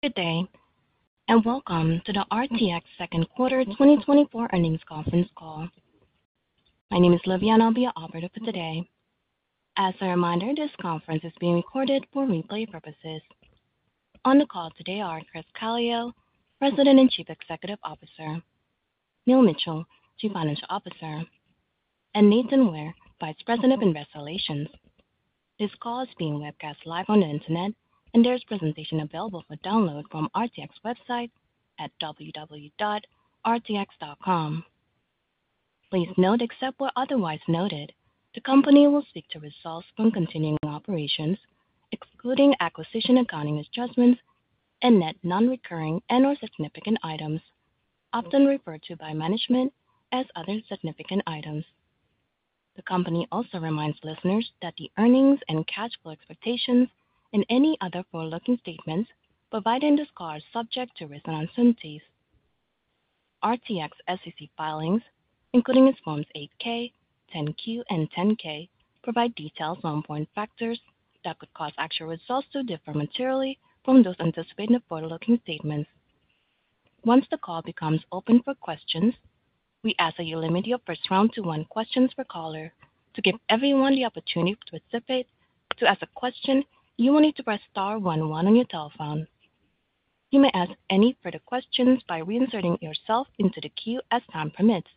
Good day, and welcome to the RTX Second Quarter 2024 Earnings Conference Call. My name is Liviana. I'll be your operator for today. As a reminder, this conference is being recorded for replay purposes. On the call today are Chris Calio, President and Chief Executive Officer; Neil Mitchill, Chief Financial Officer; and Nathan Ware, Vice President of Investor Relations. This call is being webcast live on the Internet, and there's presentation available for download from RTX website at www.rtx.com. Please note, except where otherwise noted, the company will speak to results from continuing operations, excluding acquisition, accounting adjustments and net non-recurring and/or significant items, often referred to by management as other significant items. The company also reminds listeners that the earnings and cash flow expectations and any other forward-looking statements provided in this call are subject to risks and uncertainties. RTX SEC filings, including its Forms 8-K, 10-Q, and 10-K, provide details on important factors that could cause actual results to differ materially from those anticipated in the forward-looking statements. Once the call becomes open for questions, we ask that you limit your first round to one question per caller. To give everyone the opportunity to participate, to ask a question, you will need to press star one one on your telephone. You may ask any further questions by reinserting yourself into the queue as time permits.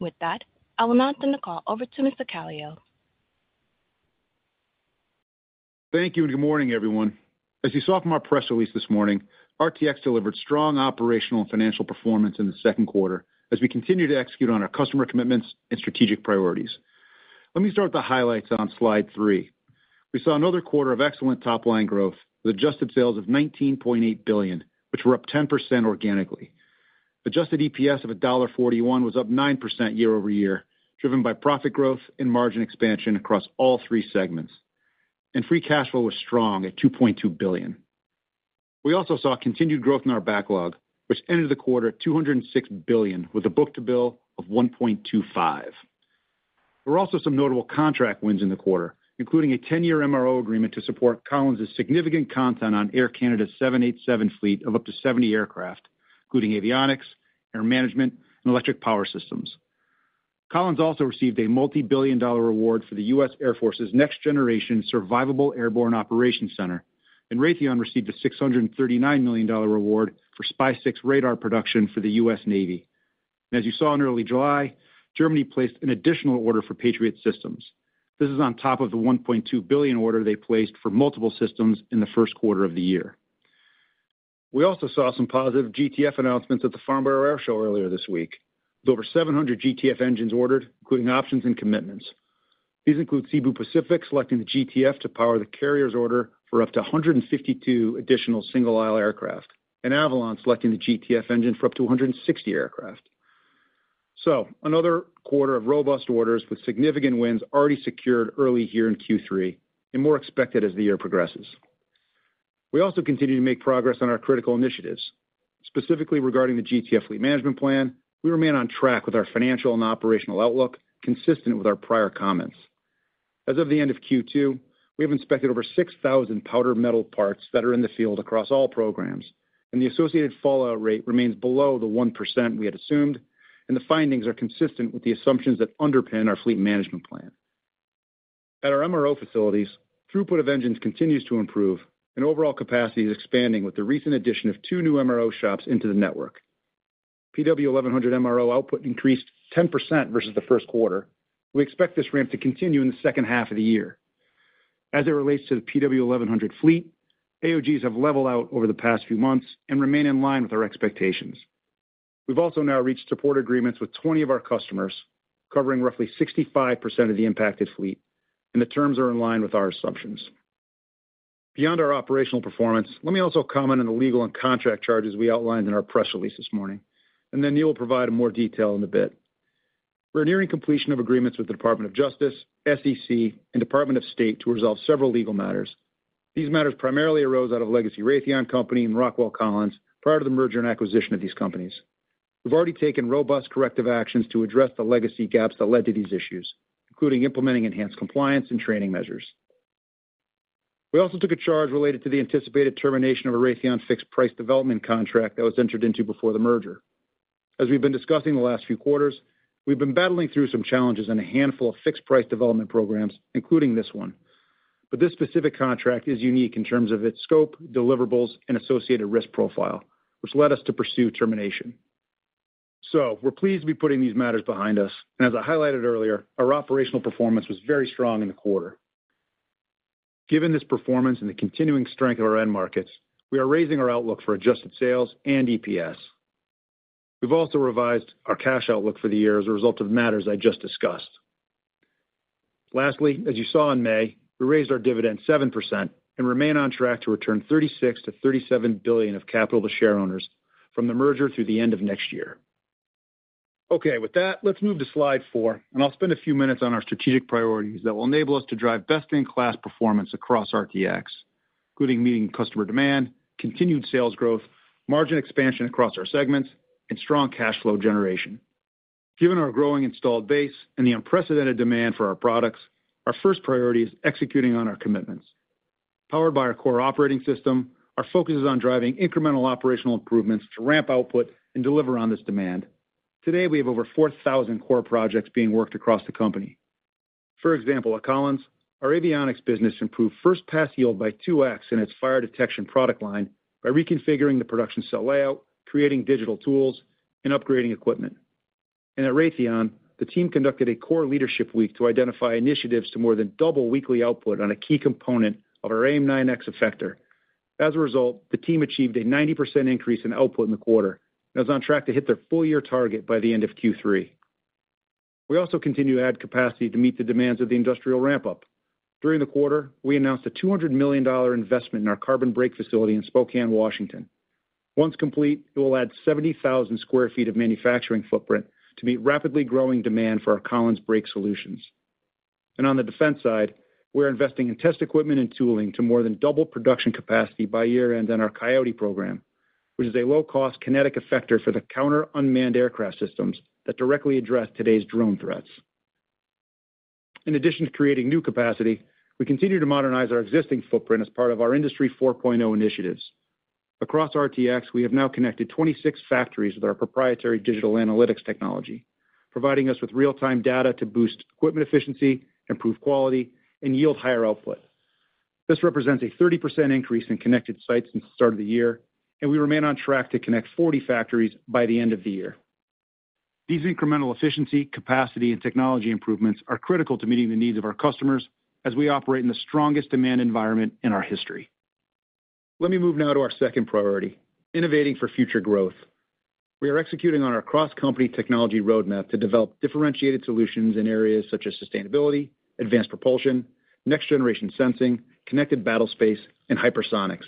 With that, I will now turn the call over to Mr. Calio. Thank you, and good morning, everyone. As you saw from our press release this morning, RTX delivered strong operational and financial performance in the second quarter as we continue to execute on our customer commitments and strategic priorities. Let me start with the highlights on slide 3. We saw another quarter of excellent top-line growth, with adjusted sales of $19.8 billion, which were up 10% organically. Adjusted EPS of $1.41 was up 9% year-over-year, driven by profit growth and margin expansion across all three segments, and free cash flow was strong at $2.2 billion. We also saw continued growth in our backlog, which ended the quarter at $206 billion, with a book-to-bill of 1.25. There were also some notable contract wins in the quarter, including a 10-year MRO agreement to support Collins' significant content on Air Canada's 787 fleet of up to 70 aircraft, including avionics, air management, and electric power systems. Collins also received a multi-billion-dollar award for the U.S. Air Force's next generation Survivable Airborne Operations Center, and Raytheon received a $639 million award for SPY-6 radar production for the U.S. Navy. As you saw in early July, Germany placed an additional order for Patriot systems. This is on top of the $1.2 billion order they placed for multiple systems in the first quarter of the year. We also saw some positive GTF announcements at the Farnborough Air Show earlier this week, with over 700 GTF engines ordered, including options and commitments. These include Cebu Pacific, selecting the GTF to power the carrier's order for up to 152 additional single-aisle aircraft, and Avolon selecting the GTF engine for up to 160 aircraft. So another quarter of robust orders with significant wins already secured early here in Q3 and more expected as the year progresses. We also continue to make progress on our critical initiatives, specifically regarding the GTF Fleet Management Plan. We remain on track with our financial and operational outlook, consistent with our prior comments. As of the end of Q2, we have inspected over 6,000 powder metal parts that are in the field across all programs, and the associated fallout rate remains below the 1% we had assumed, and the findings are consistent with the assumptions that underpin our fleet management plan. At our MRO facilities, throughput of engines continues to improve, and overall capacity is expanding with the recent addition of 2 new MRO shops into the network. PW1100 MRO output increased 10% versus the first quarter. We expect this ramp to continue in the second half of the year. As it relates to the PW1100 fleet, AOGs have leveled out over the past few months and remain in line with our expectations. We've also now reached support agreements with 20 of our customers, covering roughly 65% of the impacted fleet, and the terms are in line with our assumptions. Beyond our operational performance, let me also comment on the legal and contract charges we outlined in our press release this morning, and then Neil will provide more detail in a bit. We're nearing completion of agreements with the Department of Justice, SEC, and Department of State to resolve several legal matters. These matters primarily arose out of legacy Raytheon Company and Rockwell Collins prior to the merger and acquisition of these companies. We've already taken robust corrective actions to address the legacy gaps that led to these issues, including implementing enhanced compliance and training measures. We also took a charge related to the anticipated termination of a Raytheon fixed price development contract that was entered into before the merger. As we've been discussing the last few quarters, we've been battling through some challenges in a handful of fixed price development programs, including this one. But this specific contract is unique in terms of its scope, deliverables, and associated risk profile, which led us to pursue termination. So we're pleased to be putting these matters behind us, and as I highlighted earlier, our operational performance was very strong in the quarter. Given this performance and the continuing strength of our end markets, we are raising our outlook for adjusted sales and EPS. We've also revised our cash outlook for the year as a result of matters I just discussed. Lastly, as you saw in May, we raised our dividend 7% and remain on track to return $36 billion-$37 billion of capital to shareowners from the merger through the end of next year. Okay, with that, let's move to slide four, and I'll spend a few minutes on our strategic priorities that will enable us to drive best-in-class performance across RTX, including meeting customer demand, continued sales growth, margin expansion across our segments, and strong cash flow generation.... Given our growing installed base and the unprecedented demand for our products, our first priority is executing on our commitments. Powered by our core operating system, our focus is on driving incremental operational improvements to ramp output and deliver on this demand. Today, we have over 4,000 core projects being worked across the company. For example, at Collins, our avionics business improved first pass yield by 2x in its fire detection product line by reconfiguring the production cell layout, creating digital tools, and upgrading equipment. And at Raytheon, the team conducted a core leadership week to identify initiatives to more than double weekly output on a key component of our AIM-9X effector. As a result, the team achieved a 90% increase in output in the quarter, and is on track to hit their full-year target by the end of Q3. We also continue to add capacity to meet the demands of the industrial ramp-up. During the quarter, we announced a $200 million investment in our carbon brake facility in Spokane, Washington. Once complete, it will add 70,000 sq ft of manufacturing footprint to meet rapidly growing demand for our Collins brake solutions. On the defense side, we're investing in test equipment and tooling to more than double production capacity by year-end on our Coyote program, which is a low-cost kinetic effector for the counter-unmanned aircraft systems that directly address today's drone threats. In addition to creating new capacity, we continue to modernize our existing footprint as part of our Industry 4.0 initiatives. Across RTX, we have now connected 26 factories with our proprietary digital analytics technology, providing us with real-time data to boost equipment efficiency, improve quality, and yield higher output. This represents a 30% increase in connected sites since the start of the year, and we remain on track to connect 40 factories by the end of the year. These incremental efficiency, capacity, and technology improvements are critical to meeting the needs of our customers as we operate in the strongest demand environment in our history. Let me move now to our second priority, innovating for future growth. We are executing on our cross-company technology roadmap to develop differentiated solutions in areas such as sustainability, advanced propulsion, next-generation sensing, connected battlespace, and hypersonics.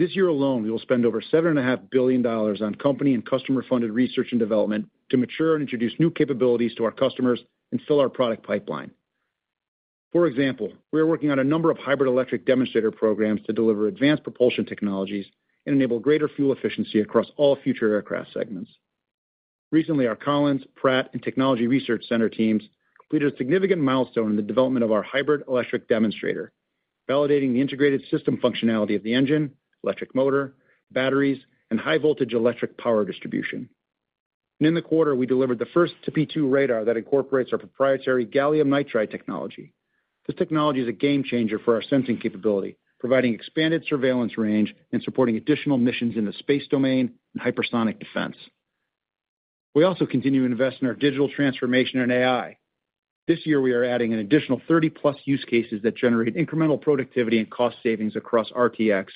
This year alone, we will spend over $7.5 billion on company and customer-funded research and development to mature and introduce new capabilities to our customers and fill our product pipeline. For example, we are working on a number of hybrid electric demonstrator programs to deliver advanced propulsion technologies and enable greater fuel efficiency across all future aircraft segments. Recently, our Collins, Pratt, and Technology Research Center teams completed a significant milestone in the development of our hybrid electric demonstrator, validating the integrated system functionality of the engine, electric motor, batteries, and high voltage electric power distribution. In the quarter, we delivered the first TPY-2 radar that incorporates our proprietary gallium nitride technology. This technology is a game changer for our sensing capability, providing expanded surveillance range and supporting additional missions in the space domain and hypersonic defense. We also continue to invest in our digital transformation and AI. This year, we are adding an additional 30+ use cases that generate incremental productivity and cost savings across RTX,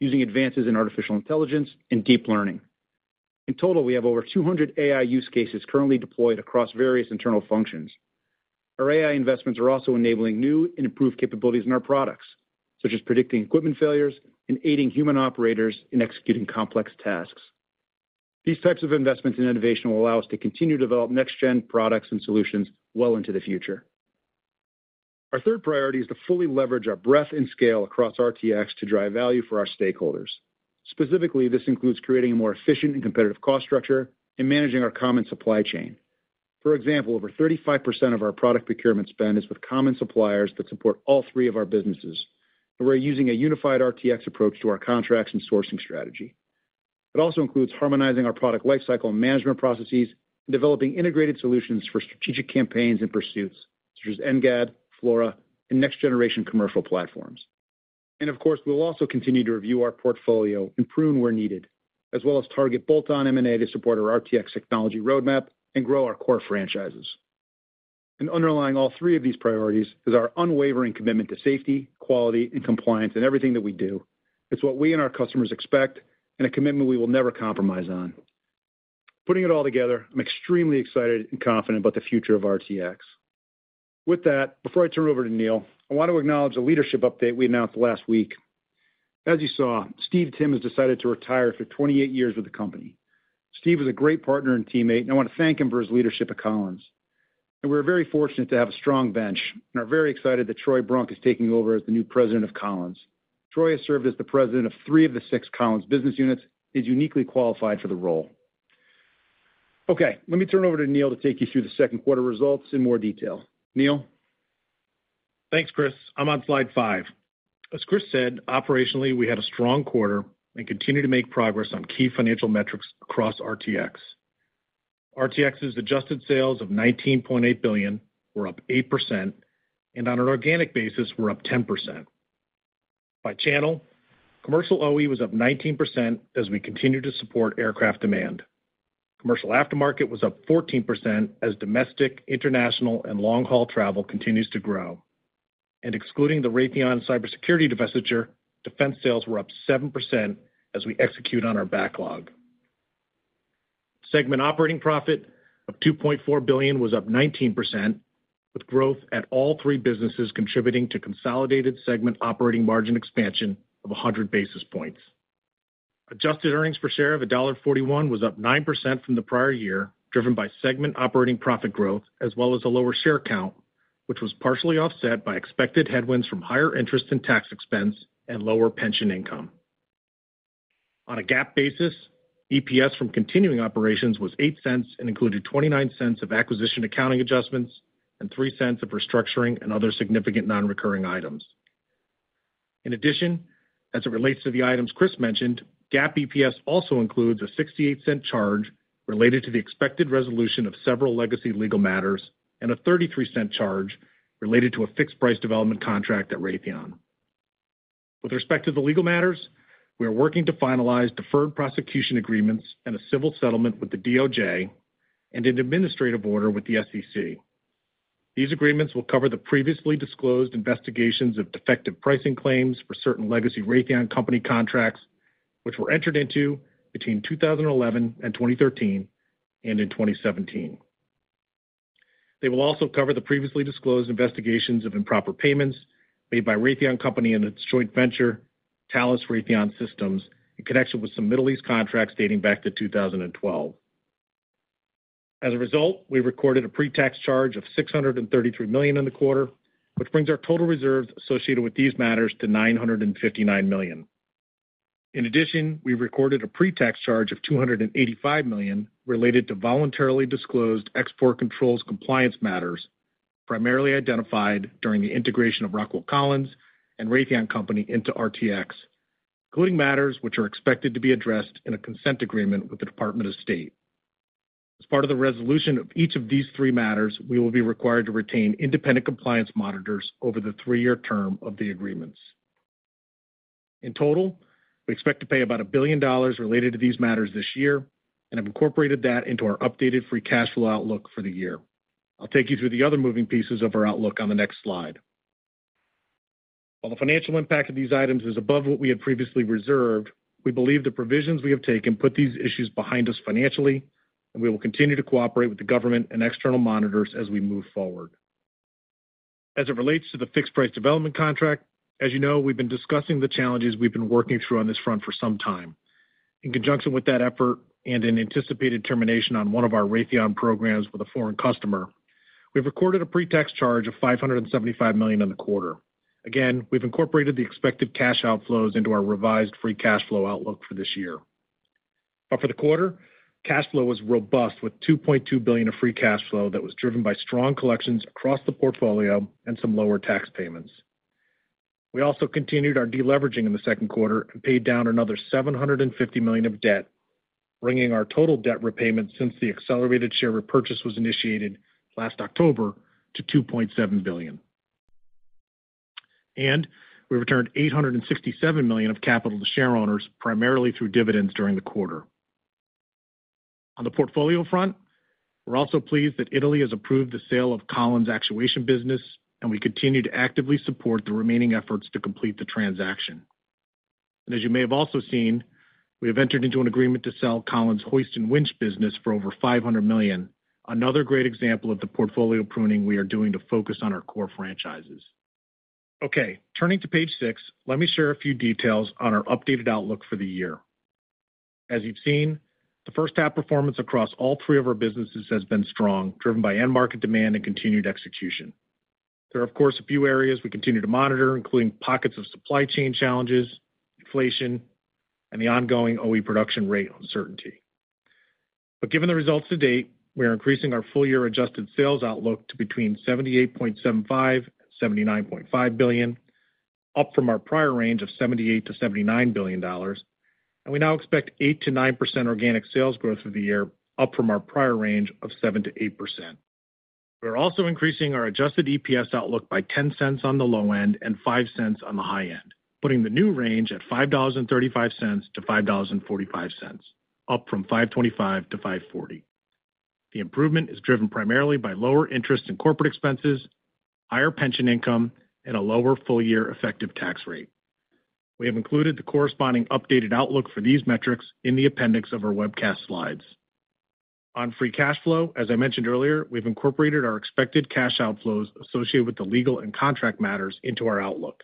using advances in artificial intelligence and deep learning. In total, we have over 200 AI use cases currently deployed across various internal functions. Our AI investments are also enabling new and improved capabilities in our products, such as predicting equipment failures and aiding human operators in executing complex tasks. These types of investments in innovation will allow us to continue to develop next-gen products and solutions well into the future. Our third priority is to fully leverage our breadth and scale across RTX to drive value for our stakeholders. Specifically, this includes creating a more efficient and competitive cost structure and managing our common supply chain. For example, over 35% of our product procurement spend is with common suppliers that support all three of our businesses, and we're using a unified RTX approach to our contracts and sourcing strategy. It also includes harmonizing our product lifecycle and management processes, and developing integrated solutions for strategic campaigns and pursuits, such as NGAD, FLRAA, and next-generation commercial platforms. Of course, we'll also continue to review our portfolio, improve where needed, as well as target bolt-on M&A to support our RTX technology roadmap and grow our core franchises. Underlying all three of these priorities is our unwavering commitment to safety, quality, and compliance in everything that we do. It's what we and our customers expect, and a commitment we will never compromise on. Putting it all together, I'm extremely excited and confident about the future of RTX. With that, before I turn it over to Neil, I want to acknowledge a leadership update we announced last week. As you saw, Steve Timm has decided to retire after 28 years with the company. Steve was a great partner and teammate, and I want to thank him for his leadership at Collins. We're very fortunate to have a strong bench, and are very excited that Troy Brunk is taking over as the new President of Collins. Troy has served as the president of three of the six Collins business units, is uniquely qualified for the role. Okay, let me turn it over to Neil to take you through the second quarter results in more detail. Neil? Thanks, Chris. I'm on slide 5. As Chris said, operationally, we had a strong quarter and continued to make progress on key financial metrics across RTX. RTX's adjusted sales of $19.8 billion were up 8%, and on an organic basis, were up 10%. By channel, commercial OE was up 19% as we continue to support aircraft demand. Commercial aftermarket was up 14% as domestic, international, and long-haul travel continues to grow. And excluding the Raytheon Cybersecurity divestiture, defense sales were up 7% as we execute on our backlog. Segment operating profit of $2.4 billion was up 19%, with growth at all three businesses contributing to consolidated segment operating margin expansion of 100 basis points. Adjusted earnings per share of $1.41 was up 9% from the prior year, driven by segment operating profit growth, as well as a lower share count, which was partially offset by expected headwinds from higher interest and tax expense and lower pension income. On a GAAP basis, EPS from continuing operations was $0.08 and included $0.29 of acquisition accounting adjustments, and $0.03 of restructuring and other significant non-recurring items. In addition, as it relates to the items Chris mentioned, GAAP EPS also includes a $0.68 charge related to the expected resolution of several legacy legal matters, and a $0.33 charge related to a fixed-price development contract at Raytheon. With respect to the legal matters, we are working to finalize deferred prosecution agreements and a civil settlement with the DOJ, and an administrative order with the SEC. These agreements will cover the previously disclosed investigations of defective pricing claims for certain legacy Raytheon Company contracts, which were entered into between 2011 and 2013, and in 2017. They will also cover the previously disclosed investigations of improper payments made by Raytheon Company and its joint venture, ThalesRaytheonSystems, in connection with some Middle East contracts dating back to 2012. As a result, we recorded a pre-tax charge of $633 million in the quarter, which brings our total reserves associated with these matters to $959 million. In addition, we recorded a pre-tax charge of $285 million related to voluntarily disclosed export controls compliance matters, primarily identified during the integration of Rockwell Collins and Raytheon Company into RTX, including matters which are expected to be addressed in a consent agreement with the Department of State. As part of the resolution of each of these three matters, we will be required to retain independent compliance monitors over the three-year term of the agreements. In total, we expect to pay about $1 billion related to these matters this year, and have incorporated that into our updated free cash flow outlook for the year. I'll take you through the other moving pieces of our outlook on the next slide. While the financial impact of these items is above what we had previously reserved, we believe the provisions we have taken put these issues behind us financially, and we will continue to cooperate with the government and external monitors as we move forward. As it relates to the fixed-price development contract, as you know, we've been discussing the challenges we've been working through on this front for some time. In conjunction with that effort, and an anticipated termination on one of our Raytheon programs with a foreign customer, we've recorded a pre-tax charge of $575 million in the quarter. Again, we've incorporated the expected cash outflows into our revised free cash flow outlook for this year. But for the quarter, cash flow was robust, with $2.2 billion of free cash flow that was driven by strong collections across the portfolio and some lower tax payments. We also continued our deleveraging in the second quarter and paid down another $750 million of debt, bringing our total debt repayment since the accelerated share repurchase was initiated last October to $2.7 billion. We returned $867 million of capital to shareowners, primarily through dividends during the quarter. On the portfolio front, we're also pleased that Italy has approved the sale of Collins' actuation business, and we continue to actively support the remaining efforts to complete the transaction. As you may have also seen, we have entered into an agreement to sell Collins' Hoist & Winch business for over $500 million, another great example of the portfolio pruning we are doing to focus on our core franchises. Okay, turning to page six, let me share a few details on our updated outlook for the year. As you've seen, the first half performance across all three of our businesses has been strong, driven by end market demand and continued execution. There are, of course, a few areas we continue to monitor, including pockets of supply chain challenges, inflation, and the ongoing OE production rate uncertainty. But given the results to date, we are increasing our full-year adjusted sales outlook to between $78.75 billion and $79.5 billion, up from our prior range of $78 billion-$79 billion, and we now expect 8%-9% organic sales growth for the year, up from our prior range of 7%-8%. We're also increasing our adjusted EPS outlook by $0.10 on the low end and $0.05 on the high end, putting the new range at $5.35-$5.45, up from $5.25 to $5.40. The improvement is driven primarily by lower interest in corporate expenses, higher pension income, and a lower full-year effective tax rate. We have included the corresponding updated outlook for these metrics in the appendix of our webcast slides. On free cash flow, as I mentioned earlier, we've incorporated our expected cash outflows associated with the legal and contract matters into our outlook.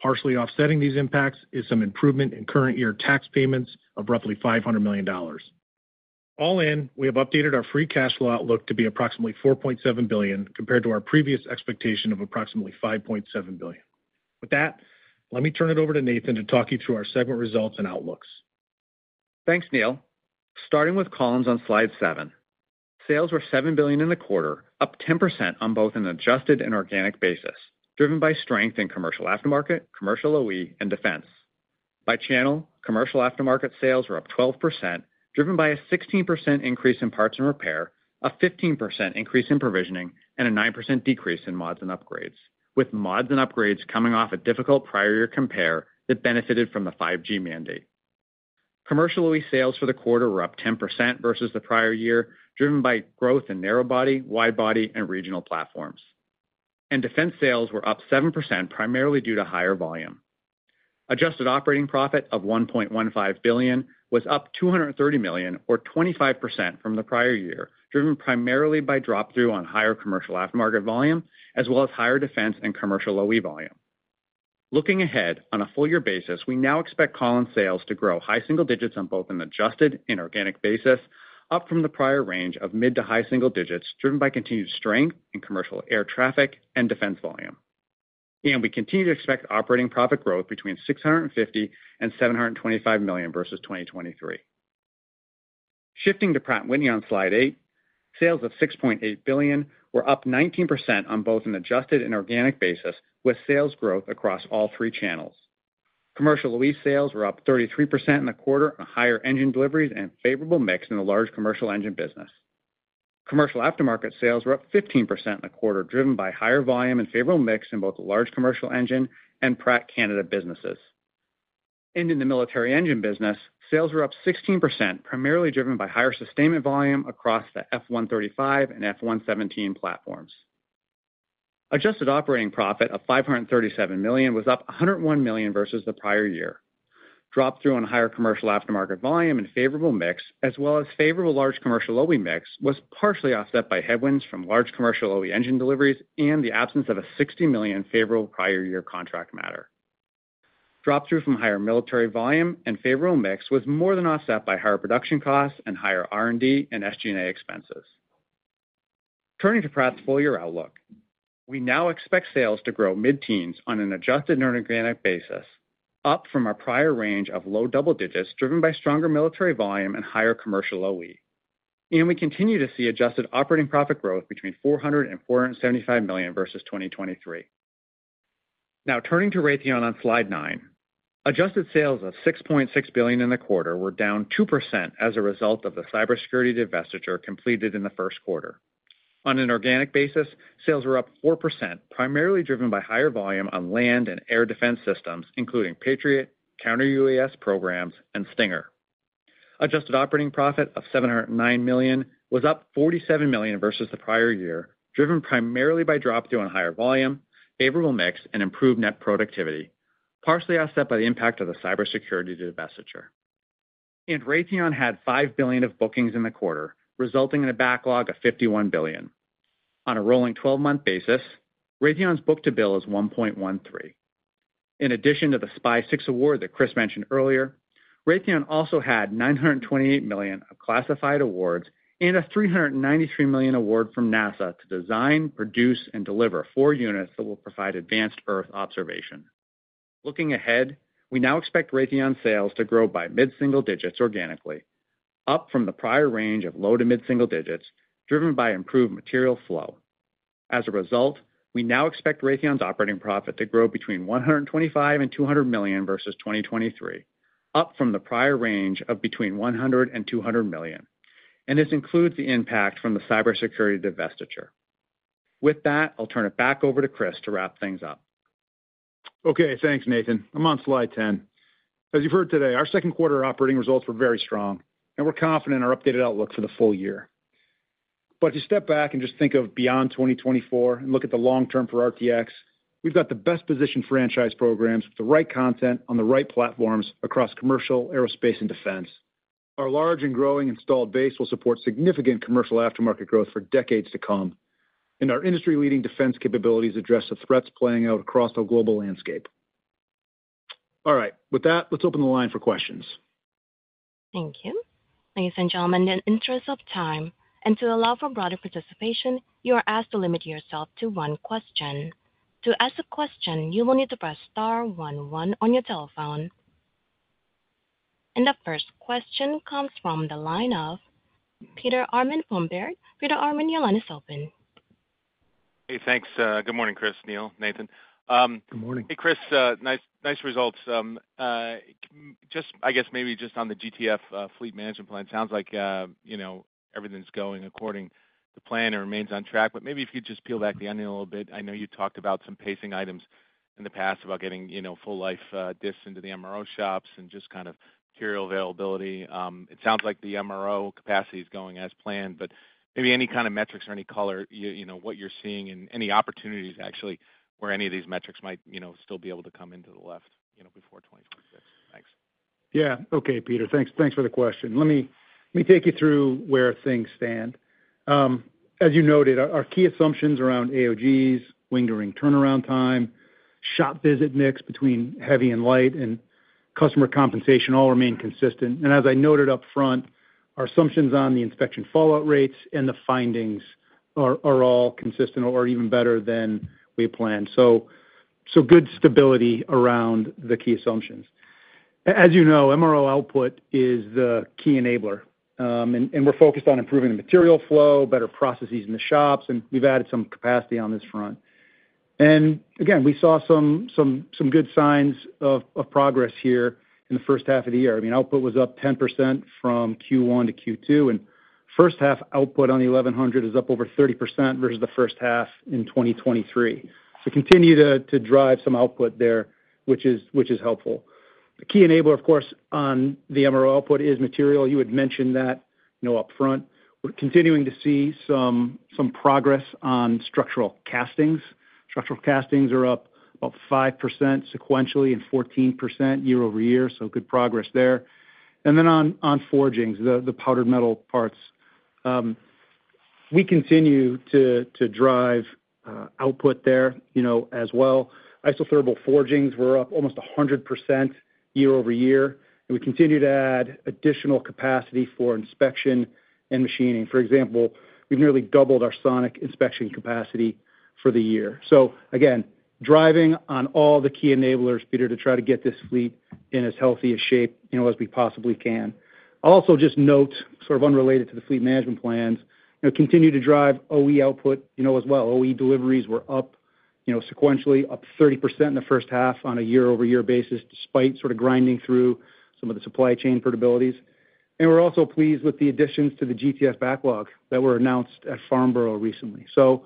Partially offsetting these impacts is some improvement in current year tax payments of roughly $500 million. All in, we have updated our free cash flow outlook to be approximately $4.7 billion, compared to our previous expectation of approximately $5.7 billion. With that, let me turn it over to Nathan to talk you through our segment results and outlooks. Thanks, Neil. Starting with Collins on slide 7. Sales were $7 billion in the quarter, up 10% on both an adjusted and organic basis, driven by strength in commercial aftermarket, commercial OE, and defense. By channel, commercial aftermarket sales were up 12%, driven by a 16% increase in parts and repair, a 15% increase in provisioning, and a 9% decrease in mods and upgrades, with mods and upgrades coming off a difficult prior year compare that benefited from the 5G mandate. Commercial OE sales for the quarter were up 10% versus the prior year, driven by growth in narrow-body, wide-body, and regional platforms. Defense sales were up 7%, primarily due to higher volume. Adjusted operating profit of $1.15 billion was up $230 million, or 25% from the prior year, driven primarily by drop-through on higher commercial aftermarket volume, as well as higher defense and commercial OE volume. Looking ahead, on a full-year basis, we now expect Collins sales to grow high single digits on both an adjusted and organic basis, up from the prior range of mid- to high single digits, driven by continued strength in commercial air traffic and defense volume. We continue to expect operating profit growth between $650 million and $725 million versus 2023. Shifting to Pratt & Whitney on Slide 8, sales of $6.8 billion were up 19% on both an adjusted and organic basis, with sales growth across all three channels. Commercial OE sales were up 33% in the quarter on higher engine deliveries and favorable mix in the large commercial engine business. Commercial aftermarket sales were up 15% in the quarter, driven by higher volume and favorable mix in both the large commercial engine and Pratt Canada businesses. In the military engine business, sales were up 16%, primarily driven by higher sustainment volume across the F135 and F117 platforms. Adjusted operating profit of $537 million was up $101 million versus the prior year. Drop through on higher commercial aftermarket volume and favorable mix, as well as favorable large commercial OE mix, was partially offset by headwinds from large commercial OE engine deliveries and the absence of a $60 million favorable prior year contract matter. Drop through from higher military volume and favorable mix was more than offset by higher production costs and higher R&D and SG&A expenses. Turning to Pratt's full-year outlook, we now expect sales to grow mid-teens on an adjusted and organic basis, up from our prior range of low double digits, driven by stronger military volume and higher commercial OE. We continue to see adjusted operating profit growth between $400 million and $475 million versus 2023. Now turning to Raytheon on Slide 9. Adjusted sales of $6.6 billion in the quarter were down 2% as a result of the Cybersecurity divestiture completed in the first quarter. On an organic basis, sales were up 4%, primarily driven by higher volume on land and air defense systems, including Patriot, Counter-UAS programs, and Stinger. Adjusted operating profit of $709 million was up $47 million versus the prior year, driven primarily by drop through on higher volume, favorable mix, and improved net productivity, partially offset by the impact of the Cybersecurity divestiture. Raytheon had $5 billion of bookings in the quarter, resulting in a backlog of $51 billion. On a rolling twelve-month basis, Raytheon's book-to-bill is 1.13. In addition to the SPY-6 award that Chris mentioned earlier, Raytheon also had $928 million of classified awards and a $393 million award from NASA to design, produce, and deliver 4 units that will provide advanced Earth observation. Looking ahead, we now expect Raytheon sales to grow by mid-single digits organically, up from the prior range of low to mid-single digits, driven by improved material flow. As a result, we now expect Raytheon's operating profit to grow between $125 million and $200 million versus 2023, up from the prior range of between $100 million and $200 million, and this includes the impact from the Cybersecurity divestiture. With that, I'll turn it back over to Chris to wrap things up. Okay, thanks, Nathan. I'm on slide 10. As you've heard today, our second quarter operating results were very strong, and we're confident in our updated outlook for the full year. But to step back and just think of beyond 2024 and look at the long term for RTX, we've got the best-positioned franchise programs with the right content on the right platforms across commercial, aerospace, and defense. Our large and growing installed base will support significant commercial aftermarket growth for decades to come, and our industry-leading defense capabilities address the threats playing out across our global landscape. All right, with that, let's open the line for questions. Thank you. Ladies and gentlemen, in interest of time and to allow for broader participation, you are asked to limit yourself to one question. To ask a question, you will need to press star one one on your telephone. The first question comes from the line of Peter Arment from Baird. Peter Arment, your line is open. Hey, thanks. Good morning, Chris, Neil, Nathan. Good morning. Hey, Chris, nice, nice results. Just I guess maybe just on the GTF fleet management plan, sounds like, you know, everything's going according to plan and remains on track. But maybe if you just peel back the onion a little bit. I know you talked about some pacing items in the past about getting, you know, full life diffs into the MRO shops and just kind of material availability. It sounds like the MRO capacity is going as planned, but maybe any kind of metrics or any color, you know, what you're seeing and any opportunities actually, where any of these metrics might, you know, still be able to come into the left, you know, before 2026? Thanks. Yeah. Okay, Peter. Thanks. Thanks for the question. Let me take you through where things stand. As you noted, our key assumptions around AOGs, wing during turnaround time, shop visit mix between heavy and light, and customer compensation all remain consistent. And as I noted up front, our assumptions on the inspection fallout rates and the findings are all consistent or even better than we planned. So good stability around the key assumptions. As you know, MRO output is the key enabler, and we're focused on improving the material flow, better processes in the shops, and we've added some capacity on this front. And again, we saw some good signs of progress here in the first half of the year. I mean, output was up 10% from Q1 to Q2, and first half output on the 1100 is up over 30% versus the first half in 2023. So continue to drive some output there, which is helpful. The key enabler, of course, on the MRO output is material. You had mentioned that, you know, up front. We're continuing to see some progress on structural castings. Structural castings are up about 5% sequentially and 14% year-over-year, so good progress there. And then on forgings, the powder metal parts. We continue to drive output there, you know, as well. Isothermal forgings were up almost 100% year-over-year, and we continue to add additional capacity for inspection and machining. For example, we've nearly doubled our sonic inspection capacity for the year. So again, driving on all the key enablers, Peter, to try to get this fleet in as healthy a shape, you know, as we possibly can. I'll also just note, sort of unrelated to the fleet management plans, you know, continue to drive OE output, you know, as well. OE deliveries were up, you know, sequentially up 30% in the first half on a year-over-year basis, despite sort of grinding through some of the supply chain frustrations. And we're also pleased with the additions to the GTF backlog that were announced at Farnborough recently. So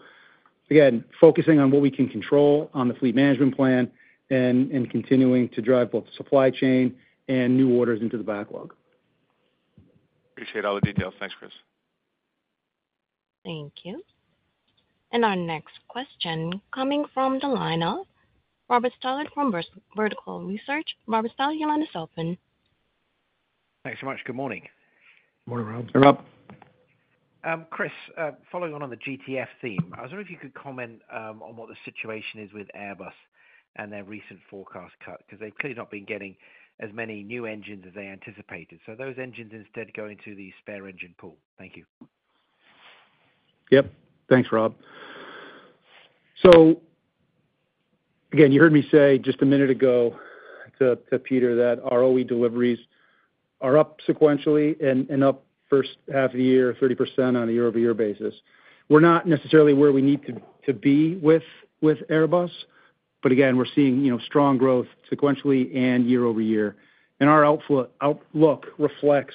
again, focusing on what we can control on the fleet management plan and, and continuing to drive both supply chain and new orders into the backlog. Appreciate all the details. Thanks, Chris. Thank you. Our next question coming from the line of Robert Stallard from Vertical Research. Robert Stallard, your line is open. Thanks so much. Good morning. Good morning, Rob. Hey, Rob. Chris, following on the GTF theme, I was wondering if you could comment on what the situation is with Airbus and their recent forecast cut, because they've clearly not been getting as many new engines as they anticipated. So those engines instead go into the spare engine pool. Thank you. Yep. Thanks, Rob. So again, you heard me say just a minute ago to Peter, that our OE deliveries are up sequentially and up first half of the year, 30% on a year-over-year basis. We're not necessarily where we need to be with Airbus, but again, we're seeing, you know, strong growth sequentially and year-over-year. And our outlook reflects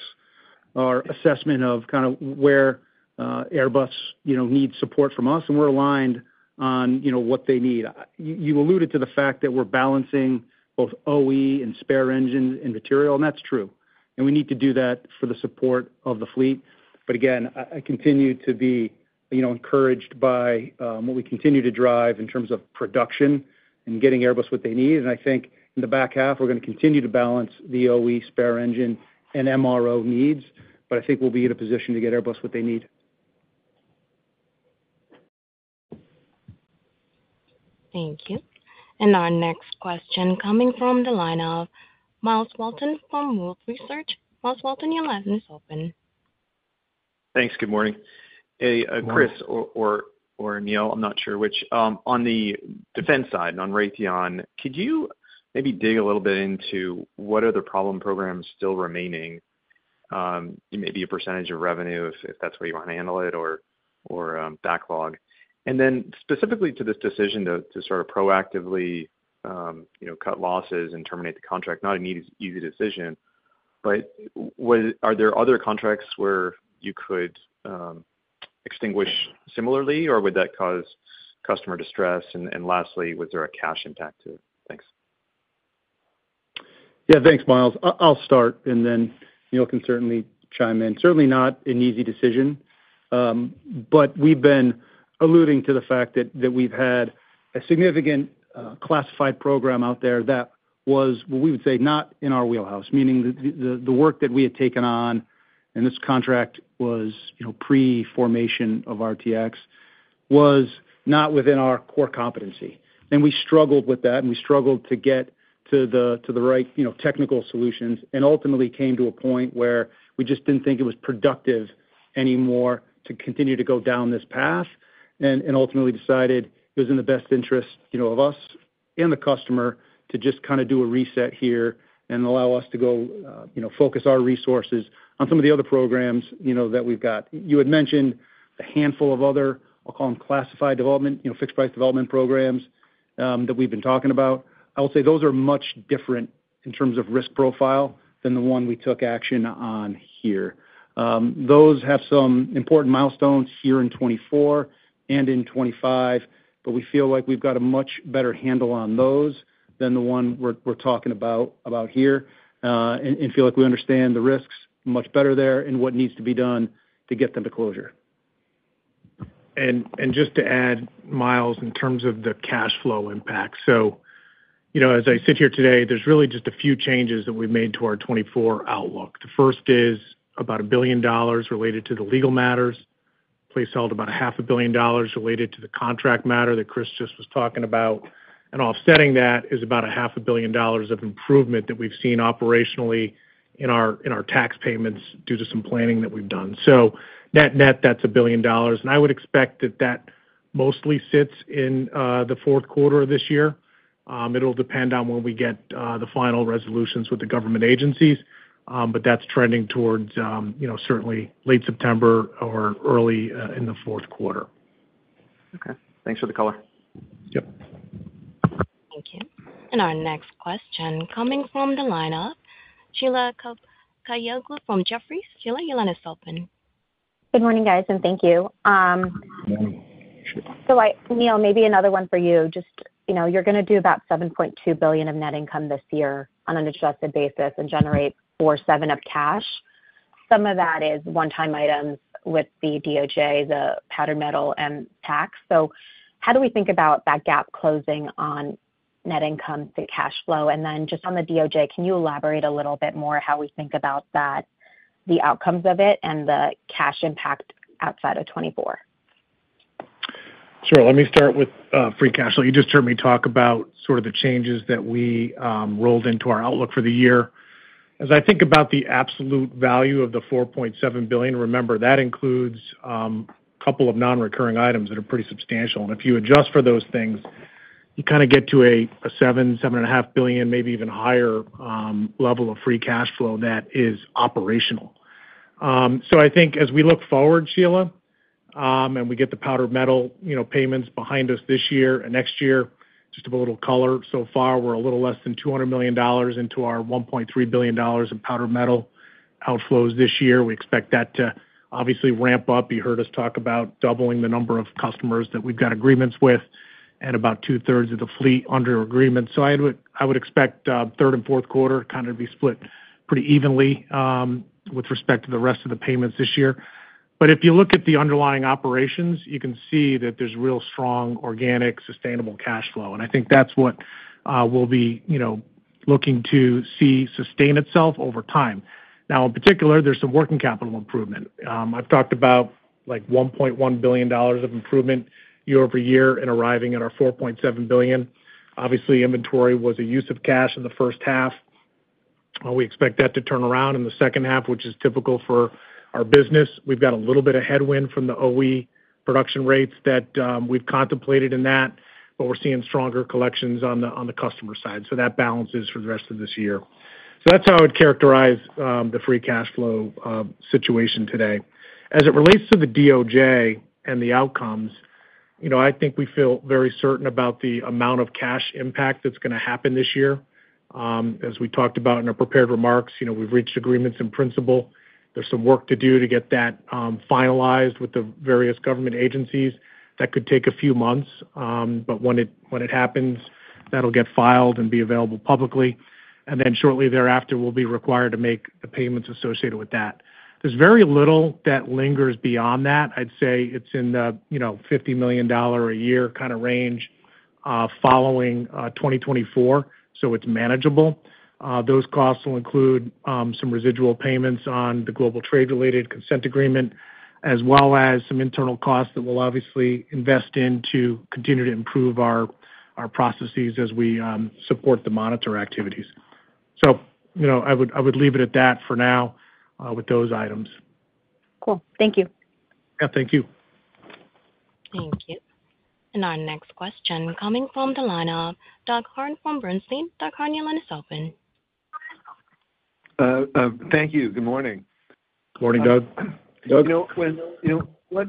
our assessment of kind of where Airbus, you know, needs support from us, and we're aligned on, you know, what they need. You alluded to the fact that we're balancing both OE and spare engine and material, and that's true, and we need to do that for the support of the fleet. But again, I continue to be, you know, encouraged by what we continue to drive in terms of production and getting Airbus what they need. I think in the back half, we're going to continue to balance the OE spare engine and MRO needs, but I think we'll be in a position to get Airbus what they need. Thank you. And our next question coming from the line of Myles Walton from Wolfe Research. Myles Walton, your line is open. Thanks. Good morning. Chris or Neil, I'm not sure which. On the defense side, on Raytheon, could you maybe dig a little bit into what are the problem programs still remaining? Maybe a percentage of revenue, if that's where you want to handle it, or backlog. And then specifically to this decision to sort of proactively, you know, cut losses and terminate the contract, not an easy decision. But are there other contracts where you could extinguish similarly, or would that cause customer distress? And lastly, was there a cash impact, too? Thanks. Yeah, thanks, Myles. I'll start, and then Neil can certainly chime in. Certainly not an easy decision, but we've been alluding to the fact that we've had a significant classified program out there that was, what we would say, not in our wheelhouse, meaning that the work that we had taken on, and this contract was, you know, pre-formation of RTX, was not within our core competency. And we struggled with that, and we struggled to get to the right, you know, technical solutions, and ultimately came to a point where we just didn't think it was productive anymore to continue to go down this path. Ultimately decided it was in the best interest, you know, of us and the customer to just kind of do a reset here and allow us to go, you know, focus our resources on some of the other programs, you know, that we've got. You had mentioned a handful of other, I'll call them classified development, you know, fixed-price development programs, that we've been talking about. I will say those are much different in terms of risk profile than the one we took action on here. Those have some important milestones here in 2024 and in 2025, but we feel like we've got a much better handle on those than the one we're talking about here, and feel like we understand the risks much better there and what needs to be done to get them to closure. Just to add, Myles, in terms of the cash flow impact. So, you know, as I sit here today, there's really just a few changes that we've made to our 2024 outlook. The first is about $1 billion related to the legal matters. Place held about $500 million related to the contract matter that Chris just was talking about. And offsetting that is about $500 million of improvement that we've seen operationally in our tax payments due to some planning that we've done. So net net, that's $1 billion, and I would expect that that mostly sits in the fourth quarter of this year. It'll depend on when we get the final resolutions with the government agencies, but that's trending towards, you know, certainly late September or early in the fourth quarter. Okay. Thanks for the color. Yep. Thank you. And our next question coming from the line of Sheila Kahyaoglu from Jefferies. Sheila, your line is open. Good morning, guys, and thank you. Good morning, Sheila. So, Neil, maybe another one for you. Just, you know, you're going to do about $7.2 billion of net income this year on an adjusted basis and generate $470 million of cash. Some of that is one-time items with the DOJ, the powder metal and tax. So how do we think about that gap closing on net income, the cash flow, and then just on the DOJ, can you elaborate a little bit more how we think about that, the outcomes of it, and the cash impact outside of 2024? Sure. Let me start with free cash flow. You just heard me talk about sort of the changes that we rolled into our outlook for the year. As I think about the absolute value of the $4.7 billion, remember, that includes a couple of non-recurring items that are pretty substantial. And if you adjust for those things, you kind of get to a $7 billion-$7.5 billion, maybe even higher level of free cash flow that is operational. So I think as we look forward, Sheila, and we get the powder metal, you know, payments behind us this year and next year, just a little color, so far, we're a little less than $200 million into our $1.3 billion in powder metal outflows this year. We expect that to obviously ramp up. You heard us talk about doubling the number of customers that we've got agreements with and about 2/3 of the fleet under agreement. So I would expect third and fourth quarter kind of to be split pretty evenly with respect to the rest of the payments this year. But if you look at the underlying operations, you can see that there's real strong, organic, sustainable cash flow, and I think that's what we'll be, you know, looking to see sustain itself over time. Now, in particular, there's some working capital improvement. I've talked about like $1.1 billion of improvement year-over-year and arriving at our $4.7 billion. Obviously, inventory was a use of cash in the first half. We expect that to turn around in the second half, which is typical for our business. We've got a little bit of headwind from the OE production rates that we've contemplated in that, but we're seeing stronger collections on the customer side, so that balances for the rest of this year. So that's how I would characterize the free cash flow situation today. As it relates to the DOJ and the outcomes, you know, I think we feel very certain about the amount of cash impact that's gonna happen this year. As we talked about in our prepared remarks, you know, we've reached agreements in principle. There's some work to do to get that finalized with the various government agencies. That could take a few months, but when it happens, that'll get filed and be available publicly, and then shortly thereafter, we'll be required to make the payments associated with that. There's very little that lingers beyond that. I'd say it's in the, you know, $50 million a year kind of range, following 2024, so it's manageable. Those costs will include some residual payments on the global trade-related consent agreement, as well as some internal costs that we'll obviously invest in to continue to improve our processes as we support the monitor activities. So, you know, I would leave it at that for now, with those items. Cool. Thank you. Yeah, thank you. Thank you. Our next question coming from the line of Doug Harned from Bernstein. Doug Harned, your line is open. Thank you. Good morning. Morning, Doug. Doug? You know, when you know what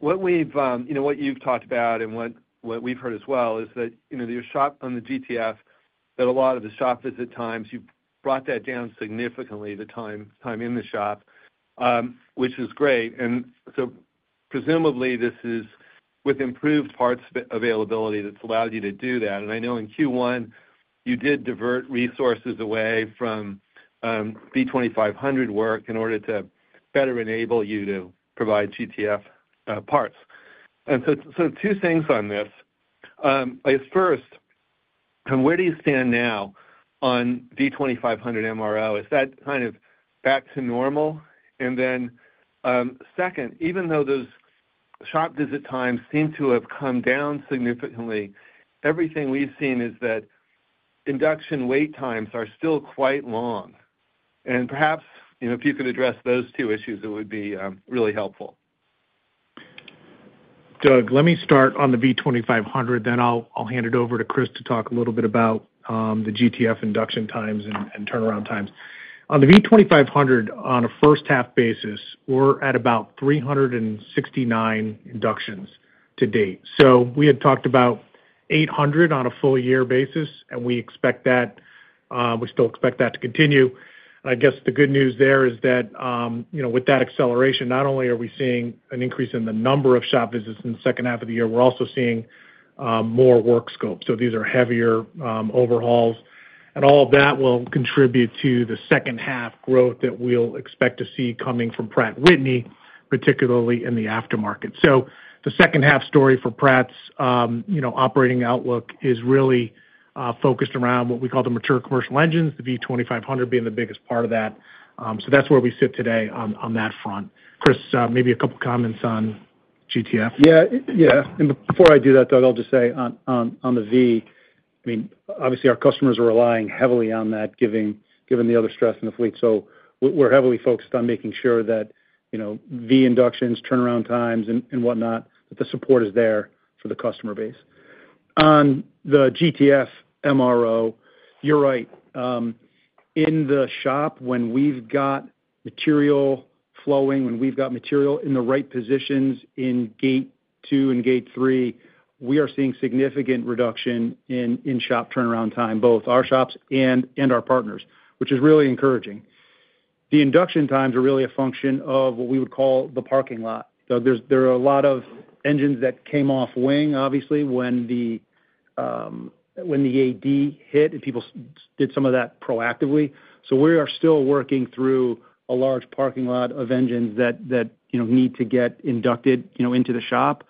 what we've you know what you've talked about and what what we've heard as well is that you know your shop on the GTF that a lot of the shop visit times you've brought that down significantly the time time in the shop which is great. And so presumably this is with improved parts availability that's allowed you to do that. And I know in Q1 you did divert resources away from V2500 work in order to better enable you to provide GTF parts. And so two things on this. I guess first and where do you stand now on V2500 MRO? Is that kind of back to normal? And then second even though those shop visit times seem to have come down significantly everything we've seen is that induction wait times are still quite long. Perhaps, you know, if you could address those two issues, it would be really helpful. Doug, let me start on the V2500, then I'll hand it over to Chris to talk a little bit about the GTF induction times and turnaround times. On the V2500, on a first-half basis, we're at about 369 inductions to date. So we had talked about 800 on a full-year basis, and we expect that we still expect that to continue. I guess the good news there is that, you know, with that acceleration, not only are we seeing an increase in the number of shop visits in the second half of the year, we're also seeing more work scope. So these are heavier overhauls, and all of that will contribute to the second half growth that we'll expect to see coming from Pratt & Whitney, particularly in the aftermarket. So the second half story for Pratt's, you know, operating outlook is really focused around what we call the mature commercial engines, the V2500 being the biggest part of that. So that's where we sit today on that front. Chris, maybe a couple comments on GTF. Yeah. Yeah, and before I do that, Doug, I'll just say on the V, I mean, obviously our customers are relying heavily on that, given the other stress in the fleet. So we're heavily focused on making sure that, you know, V inductions, turnaround times and whatnot, that the support is there for the customer base. On the GTF MRO, you're right. In the shop, when we've got material flowing, when we've got material in the right positions in Gate 2 and Gate 3, we are seeing significant reduction in shop turnaround time, both our shops and our partners, which is really encouraging. The induction times are really a function of what we would call the parking lot. So there are a lot of engines that came off-wing, obviously, when the, when the AD hit, and people did some of that proactively. So we are still working through a large parking lot of engines that you know need to get inducted, you know, into the shop.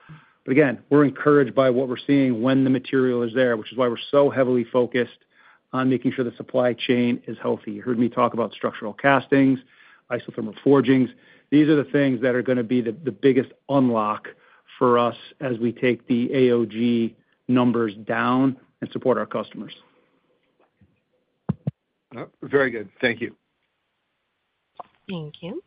But again, we're encouraged by what we're seeing when the material is there, which is why we're so heavily focused on making sure the supply chain is healthy. You heard me talk about structural castings, isothermal forgings. These are the things that are gonna be the biggest unlock for us as we take the AOG numbers down and support our customers. Very good. Thank you. Thank you.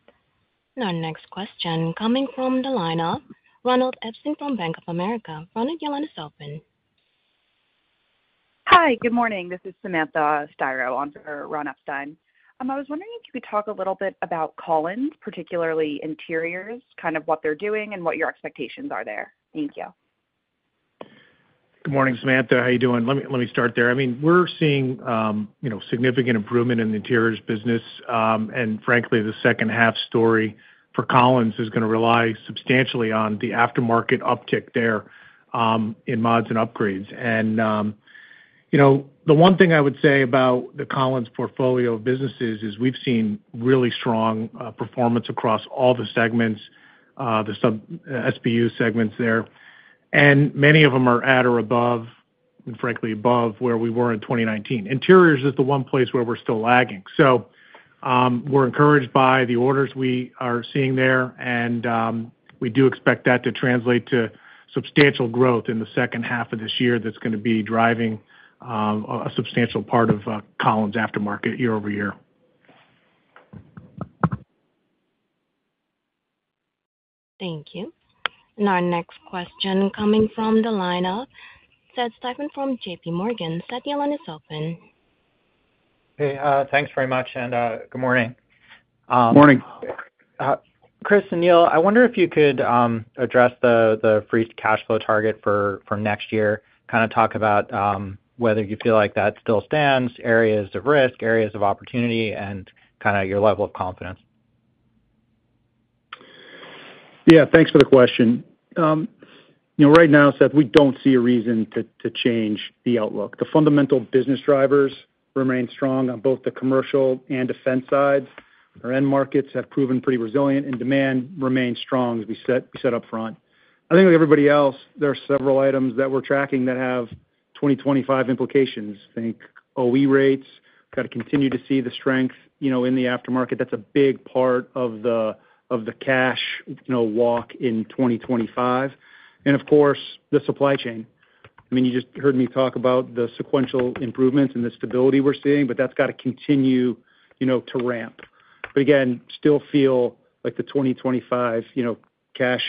Our next question coming from the lineup, Ron Epstein from Bank of America. Ron, your line is open. Hi, good morning. This is Samantha Stiroh on for Ron Epstein. I was wondering if you could talk a little bit about Collins, particularly interiors, kind of what they're doing and what your expectations are there. Thank you. Good morning, Samantha. How are you doing? Let me start there. I mean, we're seeing, you know, significant improvement in the interiors business, and frankly, the second half story for Collins is gonna rely substantially on the aftermarket uptick there, in mods and upgrades. You know, the one thing I would say about the Collins portfolio of businesses is we've seen really strong performance across all the segments, the sub-SBU segments there, and many of them are at or above, and frankly, above where we were in 2019. Interiors is the one place where we're still lagging. So, we're encouraged by the orders we are seeing there, and we do expect that to translate to substantial growth in the second half of this year that's gonna be driving a substantial part of Collins' aftermarket year-over-year. Thank you. Our next question coming from the lineup, Seth Seifman from JP Morgan. Seth, your line is open. Hey, thanks very much, and good morning. Morning. Chris and Neil, I wonder if you could address the free cash flow target for next year. Kinda talk about whether you feel like that still stands, areas of risk, areas of opportunity, and kinda your level of confidence. Yeah, thanks for the question. You know, right now, Seth, we don't see a reason to change the outlook. The fundamental business drivers remain strong on both the commercial and defense sides. Our end markets have proven pretty resilient, and demand remains strong, as we said up front. I think like everybody else, there are several items that we're tracking that have 2025 implications. Think OE rates, gotta continue to see the strength, you know, in the aftermarket. That's a big part of the cash, you know, walk in 2025. And of course, the supply chain. I mean, you just heard me talk about the sequential improvements and the stability we're seeing, but that's gotta continue, you know, to ramp. But again, still feel like the 2025, you know, cash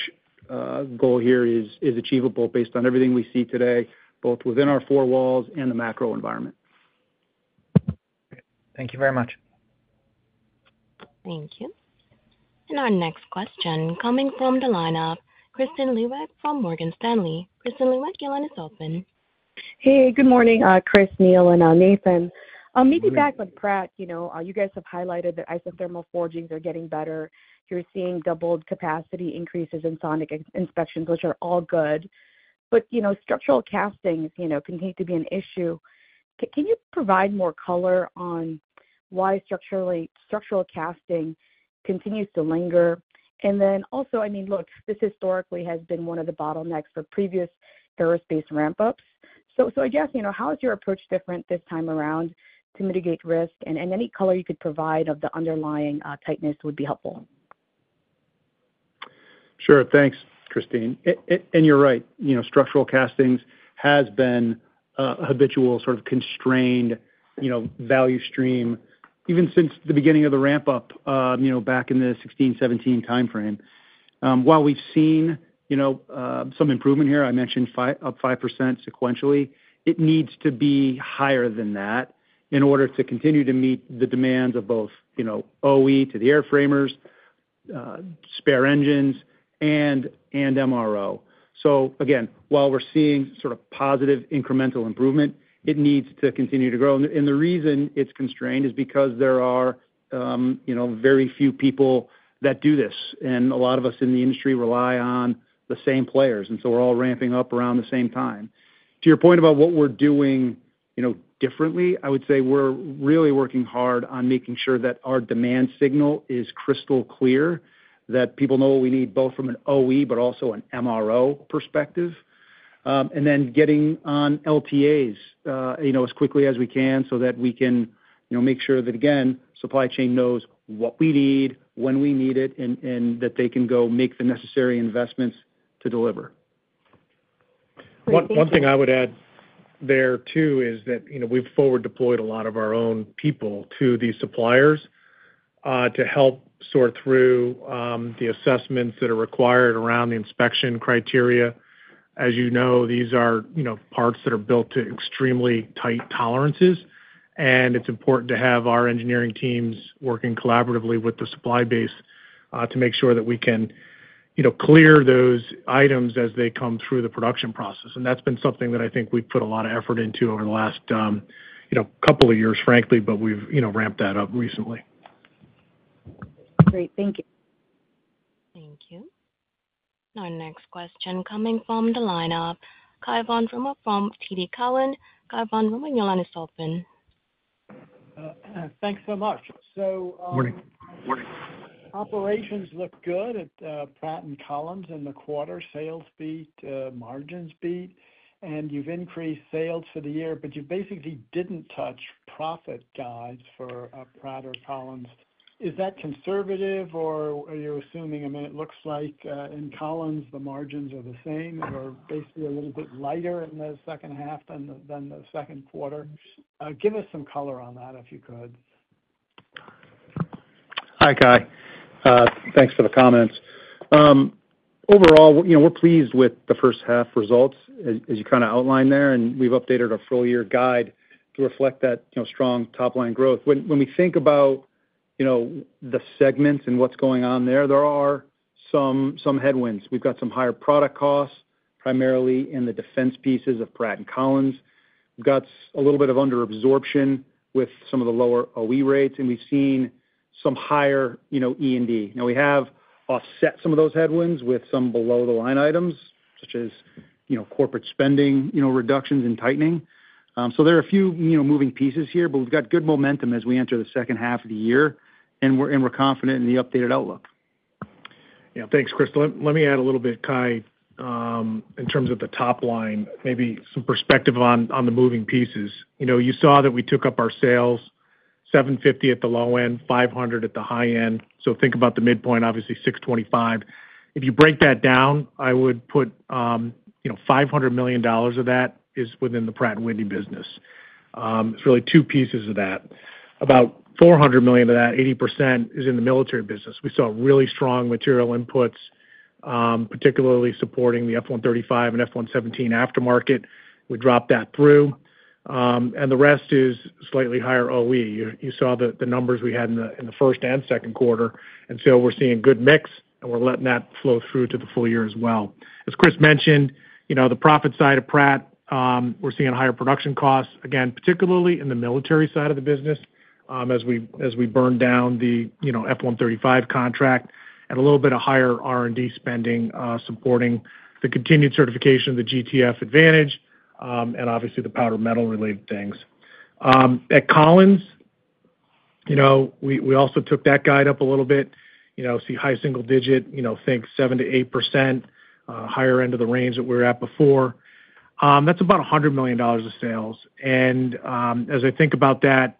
goal here is achievable based on everything we see today, both within our four walls and the macro environment. Thank you very much. Thank you. Our next question coming from the lineup, Kristine Liwag from Morgan Stanley. Kristine Liwag, your line is open. Hey, good morning, Chris, Neil, and Nathan. Maybe back on Pratt, you know, you guys have highlighted that isothermal forgings are getting better. You're seeing doubled capacity increases in sonic inspections, which are all good. But, you know, structural castings, you know, continue to be an issue. Can you provide more color on why structural casting continues to linger? And then also, I mean, look, this historically has been one of the bottlenecks for previous aerospace ramp-ups. So I guess, you know, how is your approach different this time around to mitigate risk? And any color you could provide of the underlying tightness would be helpful. Sure, thanks, Kristine. And you're right, you know, structural castings has been a habitual sort of constrained, you know, value stream, even since the beginning of the ramp-up, you know, back in the 2016, 2017 timeframe. While we've seen, you know, some improvement here, I mentioned up 5% sequentially, it needs to be higher than that in order to continue to meet the demands of both, you know, OE to the airframers, spare engines, and MRO. So again, while we're seeing sort of positive incremental improvement, it needs to continue to grow. And the reason it's constrained is because there are, you know, very few people that do this, and a lot of us in the industry rely on the same players, and so we're all ramping up around the same time. To your point about what we're doing, you know, differently, I would say we're really working hard on making sure that our demand signal is crystal clear, that people know what we need, both from an OE but also an MRO perspective. And then getting on LTAs, you know, as quickly as we can so that we can, you know, make sure that, again, supply chain knows what we need, when we need it, and, and that they can go make the necessary investments to deliver. Great, thank you. One thing I would add there, too, is that, you know, we've forward deployed a lot of our own people to these suppliers, to help sort through the assessments that are required around the inspection criteria. As you know, these are, you know, parts that are built to extremely tight tolerances, and it's important to have our engineering teams working collaboratively with the supply base, to make sure that we can, you know, clear those items as they come through the production process. And that's been something that I think we've put a lot of effort into over the last, you know, couple of years, frankly, but we've, you know, ramped that up recently. Great. Thank you. Thank you. Our next question coming from the lineup, Cai von Rumohr from TD Cowen. Cai von Rumohr, your line is open. Thanks so much. So— Morning. Operations look good at Pratt and Collins in the quarter. Sales beat, margins beat, and you've increased sales for the year, but you basically didn't touch profit guides for Pratt or Collins. Is that conservative, or are you assuming, I mean, it looks like in Collins, the margins are the same, or basically a little bit lighter in the second half than the second quarter? Give us some color on that, if you could. Hi, Cai. Thanks for the comments. Overall, you know, we're pleased with the first half results as you kind of outlined there, and we've updated our full-year guide to reflect that, you know, strong top line growth. When we think about, you know, the segments and what's going on there, there are some headwinds. We've got some higher product costs, primarily in the defense pieces of Pratt and Collins. We've got a little bit of under absorption with some of the lower OE rates, and we've seen some higher, you know, E&D. Now, we have offset some of those headwinds with some below-the-line items, such as, you know, corporate spending, you know, reductions and tightening. So there are a few, you know, moving pieces here, but we've got good momentum as we enter the second half of the year, and we're confident in the updated outlook. Yeah. Thanks, Chris. Let me add a little bit, Cai, in terms of the top line, maybe some perspective on the moving pieces. You know, you saw that we took up our sales $750 million at the low end, $500 million at the high end. So think about the midpoint, obviously $625 million. If you break that down, I would put, you know, $500 million of that is within the Pratt & Whitney business. There's really two pieces of that. About $400 million of that, 80%, is in the military business. We saw really strong material inputs, particularly supporting the F135 and F117 aftermarket. We dropped that through, and the rest is slightly higher OE. You saw the numbers we had in the first and second quarter, and so we're seeing good mix, and we're letting that flow through to the full year as well. As Chris mentioned, you know, the profit side of Pratt, we're seeing higher production costs, again, particularly in the military side of the business, as we burn down the, you know, F135 contract and a little bit of higher R&D spending, supporting the continued certification of the GTF Advantage, and obviously the powder metal-related things. At Collins, you know, we also took that guide up a little bit. You know, see high single digit, you know, think 7%-8%, higher end of the range that we were at before. That's about $100 million of sales, and, as I think about that,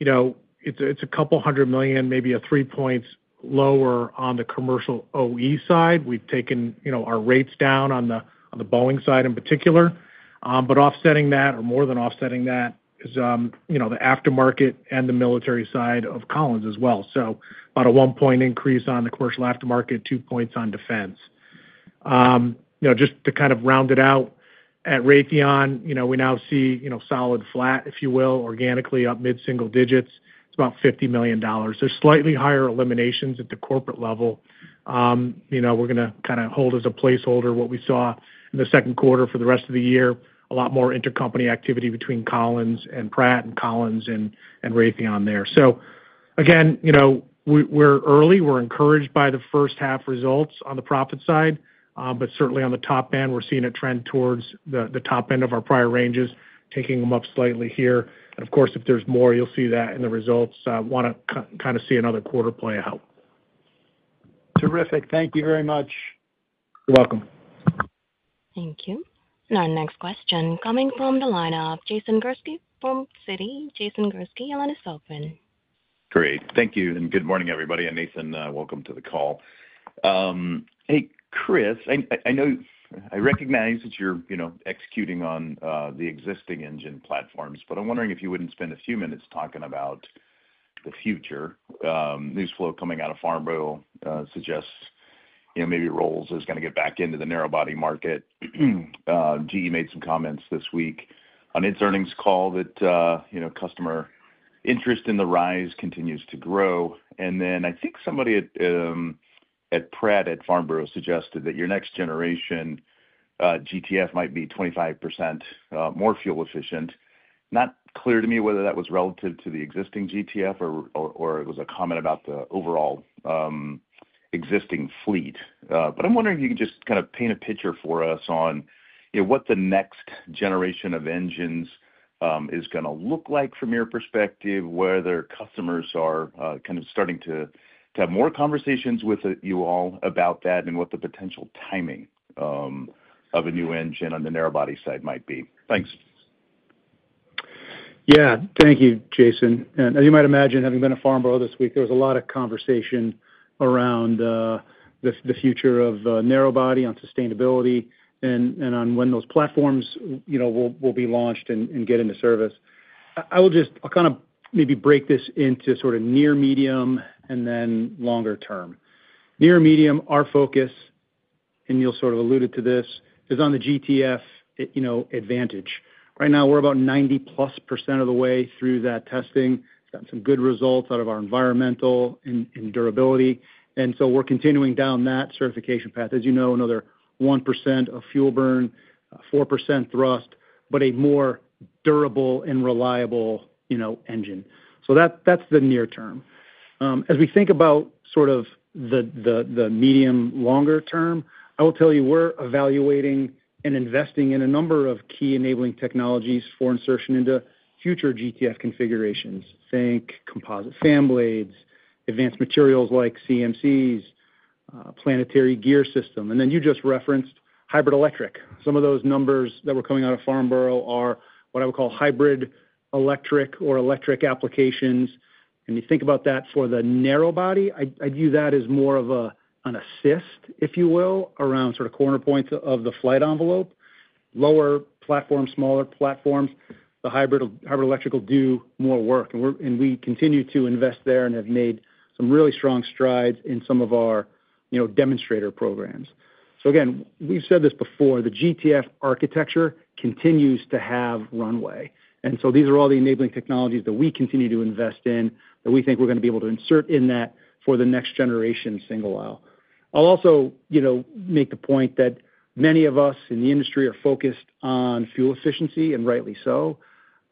you know, it's a, it's $200 million, maybe 3 points lower on the commercial OE side. We've taken, you know, our rates down on the, on the Boeing side in particular. But offsetting that, or more than offsetting that is, you know, the aftermarket and the military side of Collins as well. So about a 1-point increase on the commercial aftermarket, 2 points on defense. You know, just to kind of round it out, at Raytheon, you know, we now see, you know, solid flat, if you will, organically up mid-single digits. It's about $50 million. There's slightly higher eliminations at the corporate level. You know, we're gonna kinda hold as a placeholder what we saw in the second quarter for the rest of the year, a lot more intercompany activity between Collins and Pratt and Collins and Raytheon there. So again, you know, we're early. We're encouraged by the first half results on the profit side. But certainly on the top end, we're seeing a trend towards the top end of our prior ranges, taking them up slightly here. And of course, if there's more, you'll see that in the results. Want to kind of see another quarter play out. Terrific. Thank you very much. You're welcome. Thank you. Our next question coming from the line of Jason Gursky from Citi. Jason Gursky, your line is open. Great. Thank you, and good morning, everybody, and Nathan, welcome to the call. Hey, Chris, I know—I recognize that you're, you know, executing on the existing engine platforms, but I'm wondering if you wouldn't spend a few minutes talking about the future. News flow coming out of Farnborough suggests, you know, maybe Rolls is gonna get back into the narrow-body market. GE made some comments this week on its earnings call that, you know, customer interest in the RISE continues to grow. And then I think somebody at Pratt at Farnborough suggested that your next generation GTF might be 25% more fuel efficient. Not clear to me whether that was relative to the existing GTF or it was a comment about the overall existing fleet. But I'm wondering if you could just kind of paint a picture for us on, you know, what the next generation of engines is gonna look like from your perspective, whether customers are kind of starting to have more conversations with you all about that, and what the potential timing of a new engine on the narrow-body side might be? Thanks. Yeah. Thank you, Jason. As you might imagine, having been to Farnborough this week, there was a lot of conversation around the future of narrow-body on sustainability and on when those platforms, you know, will be launched and get into service. I will just—I'll kind of maybe break this into sort of near, medium, and then longer term. Near and medium, our focus, and you'll sort of alluded to this, is on the GTF Advantage. Right now, we're about 90%+ of the way through that testing, gotten some good results out of our environmental and durability, and so we're continuing down that certification path. As you know, another 1% of fuel burn, 4% thrust, but a more durable and reliable, you know, engine. So that's the near term. As we think about sort of the medium, longer term, I will tell you we're evaluating and investing in a number of key enabling technologies for insertion into future GTF configurations, think composite fan blades, advanced materials like CMCs, planetary gear system, and then you just referenced hybrid electric. Some of those numbers that were coming out of Farnborough are what I would call hybrid electric or electric applications. When you think about that for the narrow-body, I'd view that as more of a, an assist, if you will, around sort of corner points of the flight envelope. Lower platforms, smaller platforms, the hybrid electric will do more work, and we continue to invest there and have made some really strong strides in some of our, you know, demonstrator programs. So again, we've said this before, the GTF architecture continues to have runway. And so these are all the enabling technologies that we continue to invest in, that we think we're going to be able to insert in that for the next-generation single aisle. I'll also, you know, make the point that many of us in the industry are focused on fuel efficiency, and rightly so.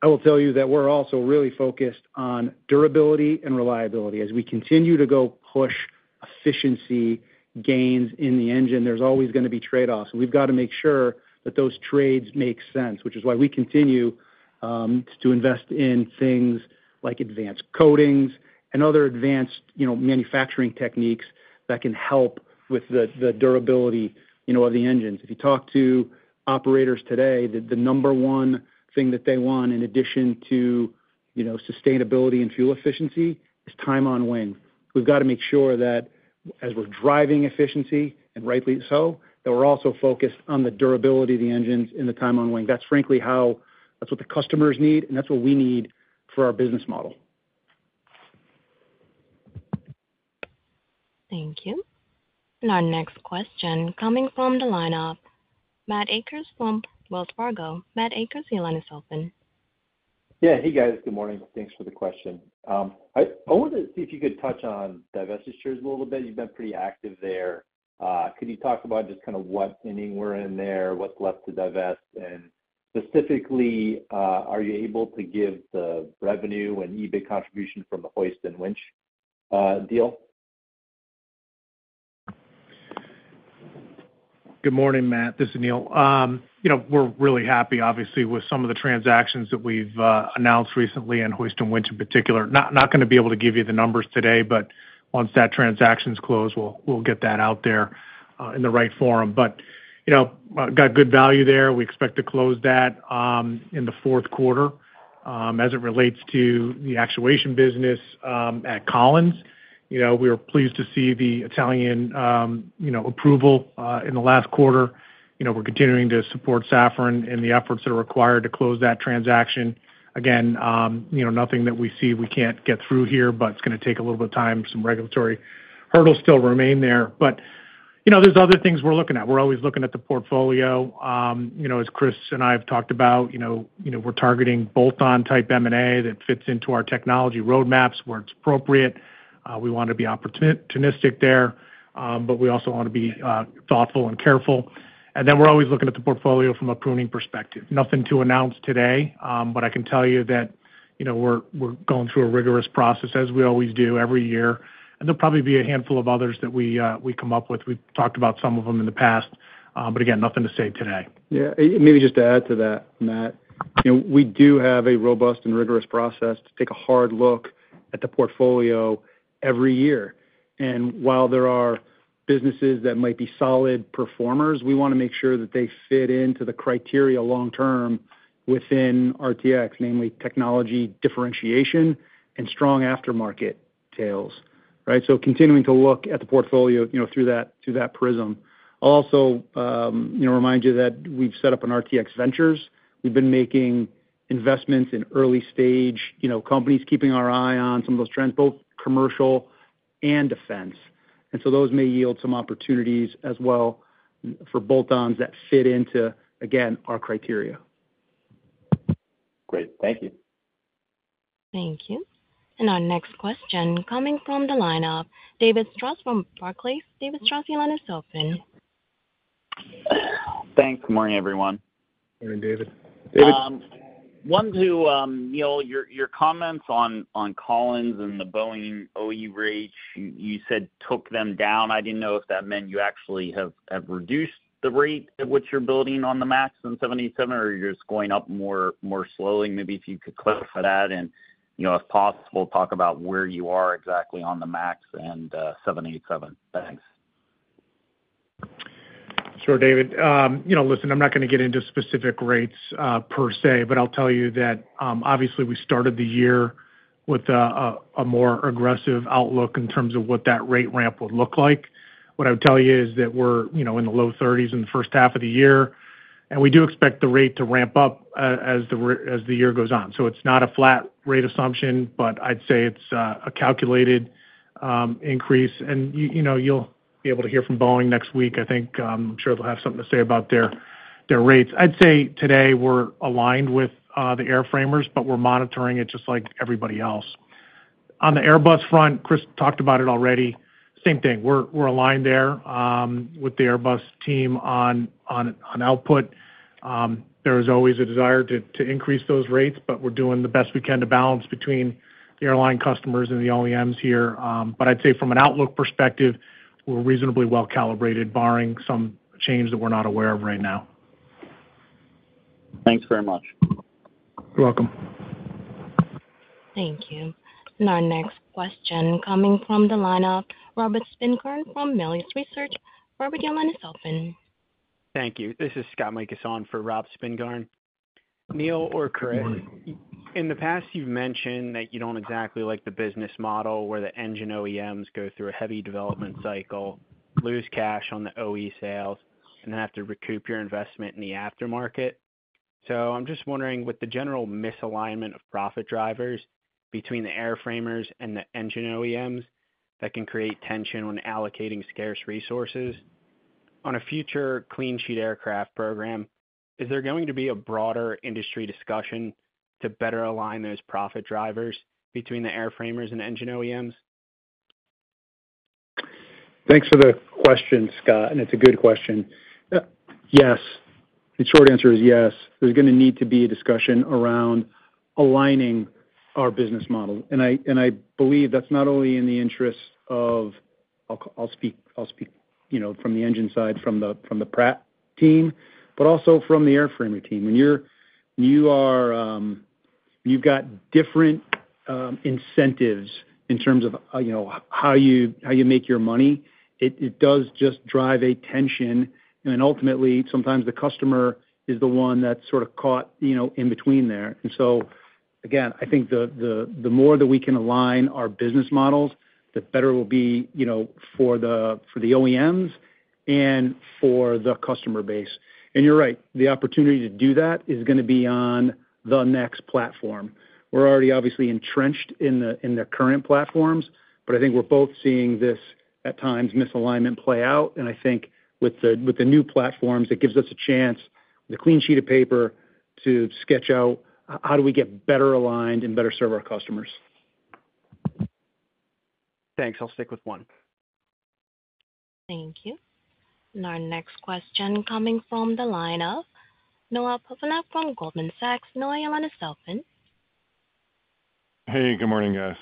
I will tell you that we're also really focused on durability and reliability. As we continue to go push efficiency gains in the engine, there's always going to be trade-offs, and we've got to make sure that those trades make sense, which is why we continue to invest in things like advanced coatings and other advanced, you know, manufacturing techniques that can help with the, the durability, you know, of the engines. If you talk to operators today, the number one thing that they want, in addition to, you know, sustainability and fuel efficiency, is time on wing. We've got to make sure that as we're driving efficiency, and rightly so, that we're also focused on the durability of the engines and the time on wing. That's frankly how—that's what the customers need, and that's what we need for our business model. Thank you. And our next question coming from the line of Matt Akers from Wells Fargo. Matt Akers, your line is open. Yeah. Hey, guys. Good morning. Thanks for the question. I wanted to see if you could touch on divestitures a little bit. You've been pretty active there. Could you talk about just kind of what inning we're in there, what's left to divest? And specifically, are you able to give the revenue and EBIT contribution from the Hoist & Winch deal? Good morning, Matt. This is Neil. You know, we're really happy, obviously, with some of the transactions that we've announced recently, and Hoist & Winch in particular. Not going to be able to give you the numbers today, but once that transaction's closed, we'll get that out there in the right forum. But you know, got good value there. We expect to close that in the fourth quarter. As it relates to the actuation business at Collins, you know, we were pleased to see the Italian approval in the last quarter. You know, we're continuing to support Safran in the efforts that are required to close that transaction. Again, you know, nothing that we see we can't get through here, but it's going to take a little bit of time. Some regulatory hurdles still remain there. But, you know, there's other things we're looking at. We're always looking at the portfolio. You know, as Chris and I have talked about, you know, you know, we're targeting bolt-on type M&A that fits into our technology roadmaps where it's appropriate. We want to be opportunistic there, but we also want to be thoughtful and careful. And then we're always looking at the portfolio from a pruning perspective. Nothing to announce today, but I can tell you that, you know, we're, we're going through a rigorous process, as we always do every year, and there'll probably be a handful of others that we, we come up with. We've talked about some of them in the past, but again, nothing to say today. Yeah, and maybe just to add to that, Matt. You know, we do have a robust and rigorous process to take a hard look at the portfolio every year. And while there are businesses that might be solid performers, we want to make sure that they fit into the criteria long term within RTX, namely technology differentiation and strong aftermarket tails, right? So continuing to look at the portfolio, you know, through that, through that prism. I'll also, you know, remind you that we've set up an RTX Ventures. We've been making investments in early-stage, you know, companies, keeping our eye on some of those trends, both commercial and defense. And so those may yield some opportunities as well for bolt-ons that fit into, again, our criteria. Great. Thank you. Thank you. Our next question coming from the line of David Strauss from Barclays. David Strauss, your line is open. Thanks. Good morning, everyone. Morning, David. David- Onto Neil, your comments on Collins and the Boeing OE rate, you said, "took them down." I didn't know if that meant you actually have reduced the rate at which you're building on the MAX and 787, or you're just going up more slowly. Maybe if you could clarify that, and you know, if possible, talk about where you are exactly on the MAX and 787. Thanks. Sure, David. You know, listen, I'm not going to get into specific rates, per se, but I'll tell you that, obviously, we started the year with a more aggressive outlook in terms of what that rate ramp would look like. What I would tell you is that we're, you know, in the low 30s in the first half of the year, and we do expect the rate to ramp up, as the year goes on. So it's not a flat rate assumption, but I'd say it's a calculated increase. And you know, you'll be able to hear from Boeing next week, I think. I'm sure they'll have something to say about their rates. I'd say today we're aligned with the airframers, but we're monitoring it just like everybody else. On the Airbus front, Chris talked about it already. Same thing, we're aligned there with the Airbus team on output, there is always a desire to increase those rates, but we're doing the best we can to balance between the airline customers and the OEMs here. But I'd say from an outlook perspective, we're reasonably well calibrated, barring some change that we're not aware of right now. Thanks very much. You're welcome. Thank you. Our next question coming from the line of Robert Spingarn from Melius Research. Robert, your line is open. Thank you. This is Scott Mikus for Rob Spingarn. Neil or Chris, in the past, you've mentioned that you don't exactly like the business model, where the engine OEMs go through a heavy development cycle, lose cash on the OE sales, and then have to recoup your investment in the aftermarket. So I'm just wondering, with the general misalignment of profit drivers between the airframers and the engine OEMs, that can create tension when allocating scarce resources. On a future clean sheet aircraft program, is there going to be a broader industry discussion to better align those profit drivers between the airframers and engine OEMs? Thanks for the question, Scott, and it's a good question. Yes, the short answer is yes. There's gonna need to be a discussion around aligning our business model. And I believe that's not only in the interests of—I'll speak, you know, from the engine side, from the Pratt team, but also from the airframer team. When you are, you've got different incentives in terms of, you know, how you make your money, it does just drive a tension, and then ultimately, sometimes the customer is the one that's sort of caught, you know, in between there. And so, again, I think the more that we can align our business models, the better it will be, you know, for the OEMs and for the customer base. You're right, the opportunity to do that is gonna be on the next platform. We're already obviously entrenched in the current platforms, but I think we're both seeing this, at times, misalignment play out, and I think with the new platforms, it gives us a chance, with a clean sheet of paper, to sketch out how do we get better aligned and better serve our customers. Thanks. I'll stick with one. Thank you. Our next question coming from the line of Noah Poponak from Goldman Sachs. Noah, your line is open. Hey, good morning, guys.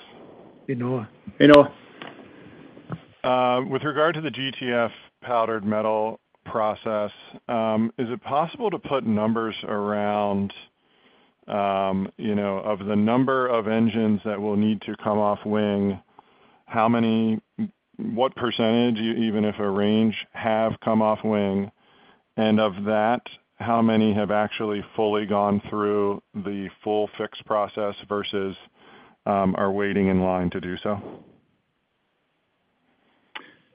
Hey, Noah. Hey, Noah. With regard to the GTF powder metal process, is it possible to put numbers around, you know, of the number of engines that will need to come off-wing? How many—what percentage, even if a range, have come off-wing? And of that, how many have actually fully gone through the full fix process versus, are waiting in line to do so?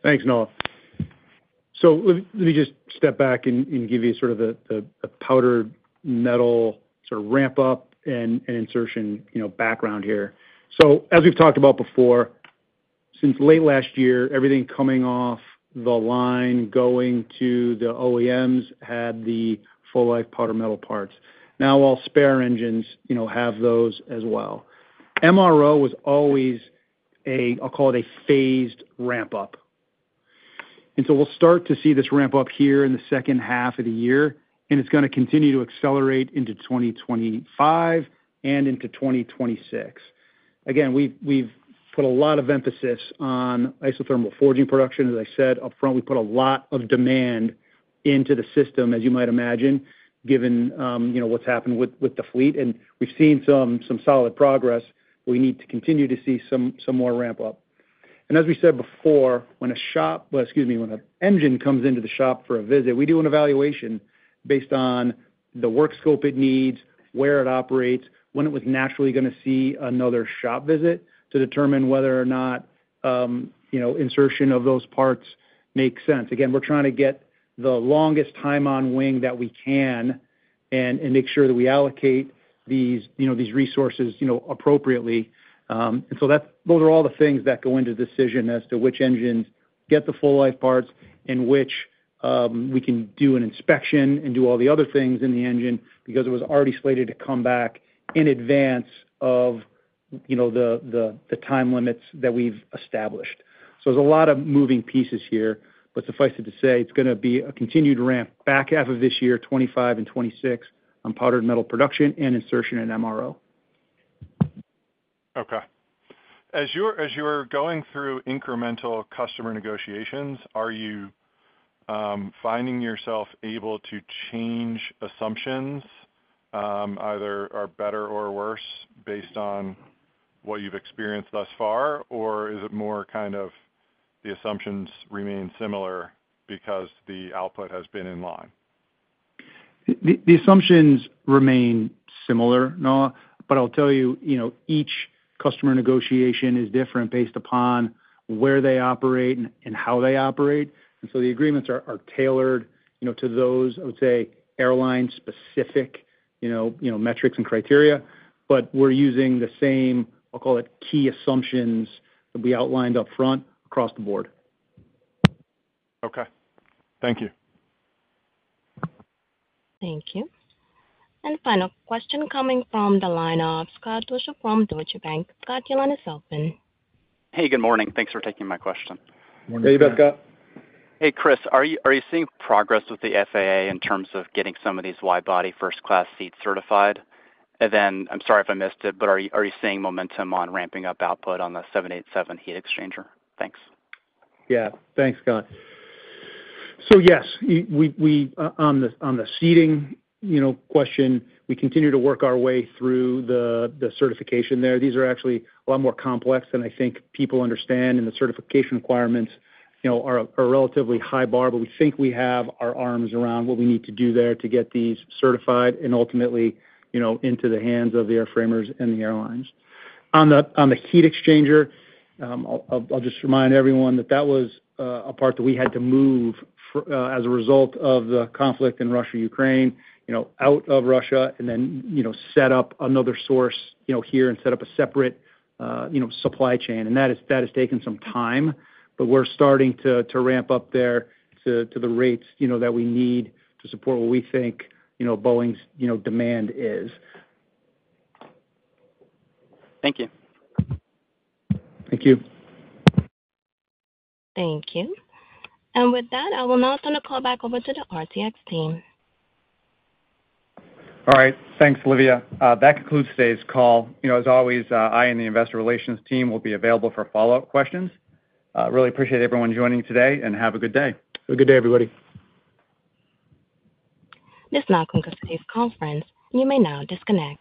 Thanks, Noah. So let me just step back and give you sort of the powder metal sort of ramp up and insertion, you know, background here. So as we've talked about before, since late last year, everything coming off the line going to the OEMs had the full life powder metal parts. Now, all spare engines, you know, have those as well. MRO was always a, I'll call it, a phased ramp-up. And so we'll start to see this ramp up here in the second half of the year, and it's gonna continue to accelerate into 2025 and into 2026. Again, we've put a lot of emphasis on isothermal forging production. As I said up front, we put a lot of demand into the system, as you might imagine, given, you know, what's happened with, with the fleet, and we've seen some, some solid progress. We need to continue to see some, some more ramp up. And as we said before, when a shop—well, excuse me, when an engine comes into the shop for a visit, we do an evaluation based on the work scope it needs, where it operates, when it was naturally gonna see another shop visit, to determine whether or not, you know, insertion of those parts makes sense. Again, we're trying to get the longest time on wing that we can and, and make sure that we allocate these, you know, these resources, you know, appropriately. And so that's those are all the things that go into the decision as to which engines get the full life parts and which, we can do an inspection and do all the other things in the engine, because it was already slated to come back in advance of, you know, the time limits that we've established. So there's a lot of moving pieces here, but suffice it to say, it's gonna be a continued ramp back half of this year, 2025 and 2026, on powder metal production and insertion in MRO. Okay. As you're going through incremental customer negotiations, are you finding yourself able to change assumptions, either are better or worse based on what you've experienced thus far? Or is it more kind of the assumptions remain similar because the output has been in line? The assumptions remain similar, Noah, but I'll tell you, you know, each customer negotiation is different based upon where they operate and how they operate. And so the agreements are tailored, you know, to those, I would say, airline-specific, you know, you know, metrics and criteria. But we're using the same, I'll call it, key assumptions that we outlined upfront across the board. Okay, thank you. Thank you. Final question coming from the line of Scott Deuschle from Deutsche Bank. Scott, your line is open. Hey, good morning. Thanks for taking my question. Good morning, Scott. Hey, Chris, are you, are you seeing progress with the FAA in terms of getting some of wide-body first-class seats certified? And then, I'm sorry if I missed it, but are you, are you seeing momentum on ramping up output on the 787 heat exchanger? Thanks. Yeah. Thanks, Scott. So yes, we on the seating, you know, question, we continue to work our way through the certification there. These are actually a lot more complex than I think people understand, and the certification requirements, you know, are a relatively high bar, but we think we have our arms around what we need to do there to get these certified and ultimately, you know, into the hands of the airframers and the airlines. On the heat exchanger, I'll just remind everyone that that was a part that we had to move as a result of the conflict in Russia, Ukraine, you know, out of Russia, and then, you know, set up another source, you know, here and set up a separate, you know, supply chain. That has taken some time, but we're starting to ramp up there to the rates, you know, that we need to support what we think, you know, Boeing's, you know, demand is. Thank you. Thank you. Thank you. With that, I will now turn the call back over to the RTX team. All right. Thanks, Liviana. That concludes today's call. You know, as always, I and the investor relations team will be available for follow-up questions. Really appreciate everyone joining today, and have a good day. Have a good day, everybody. This now concludes today's conference. You may now disconnect.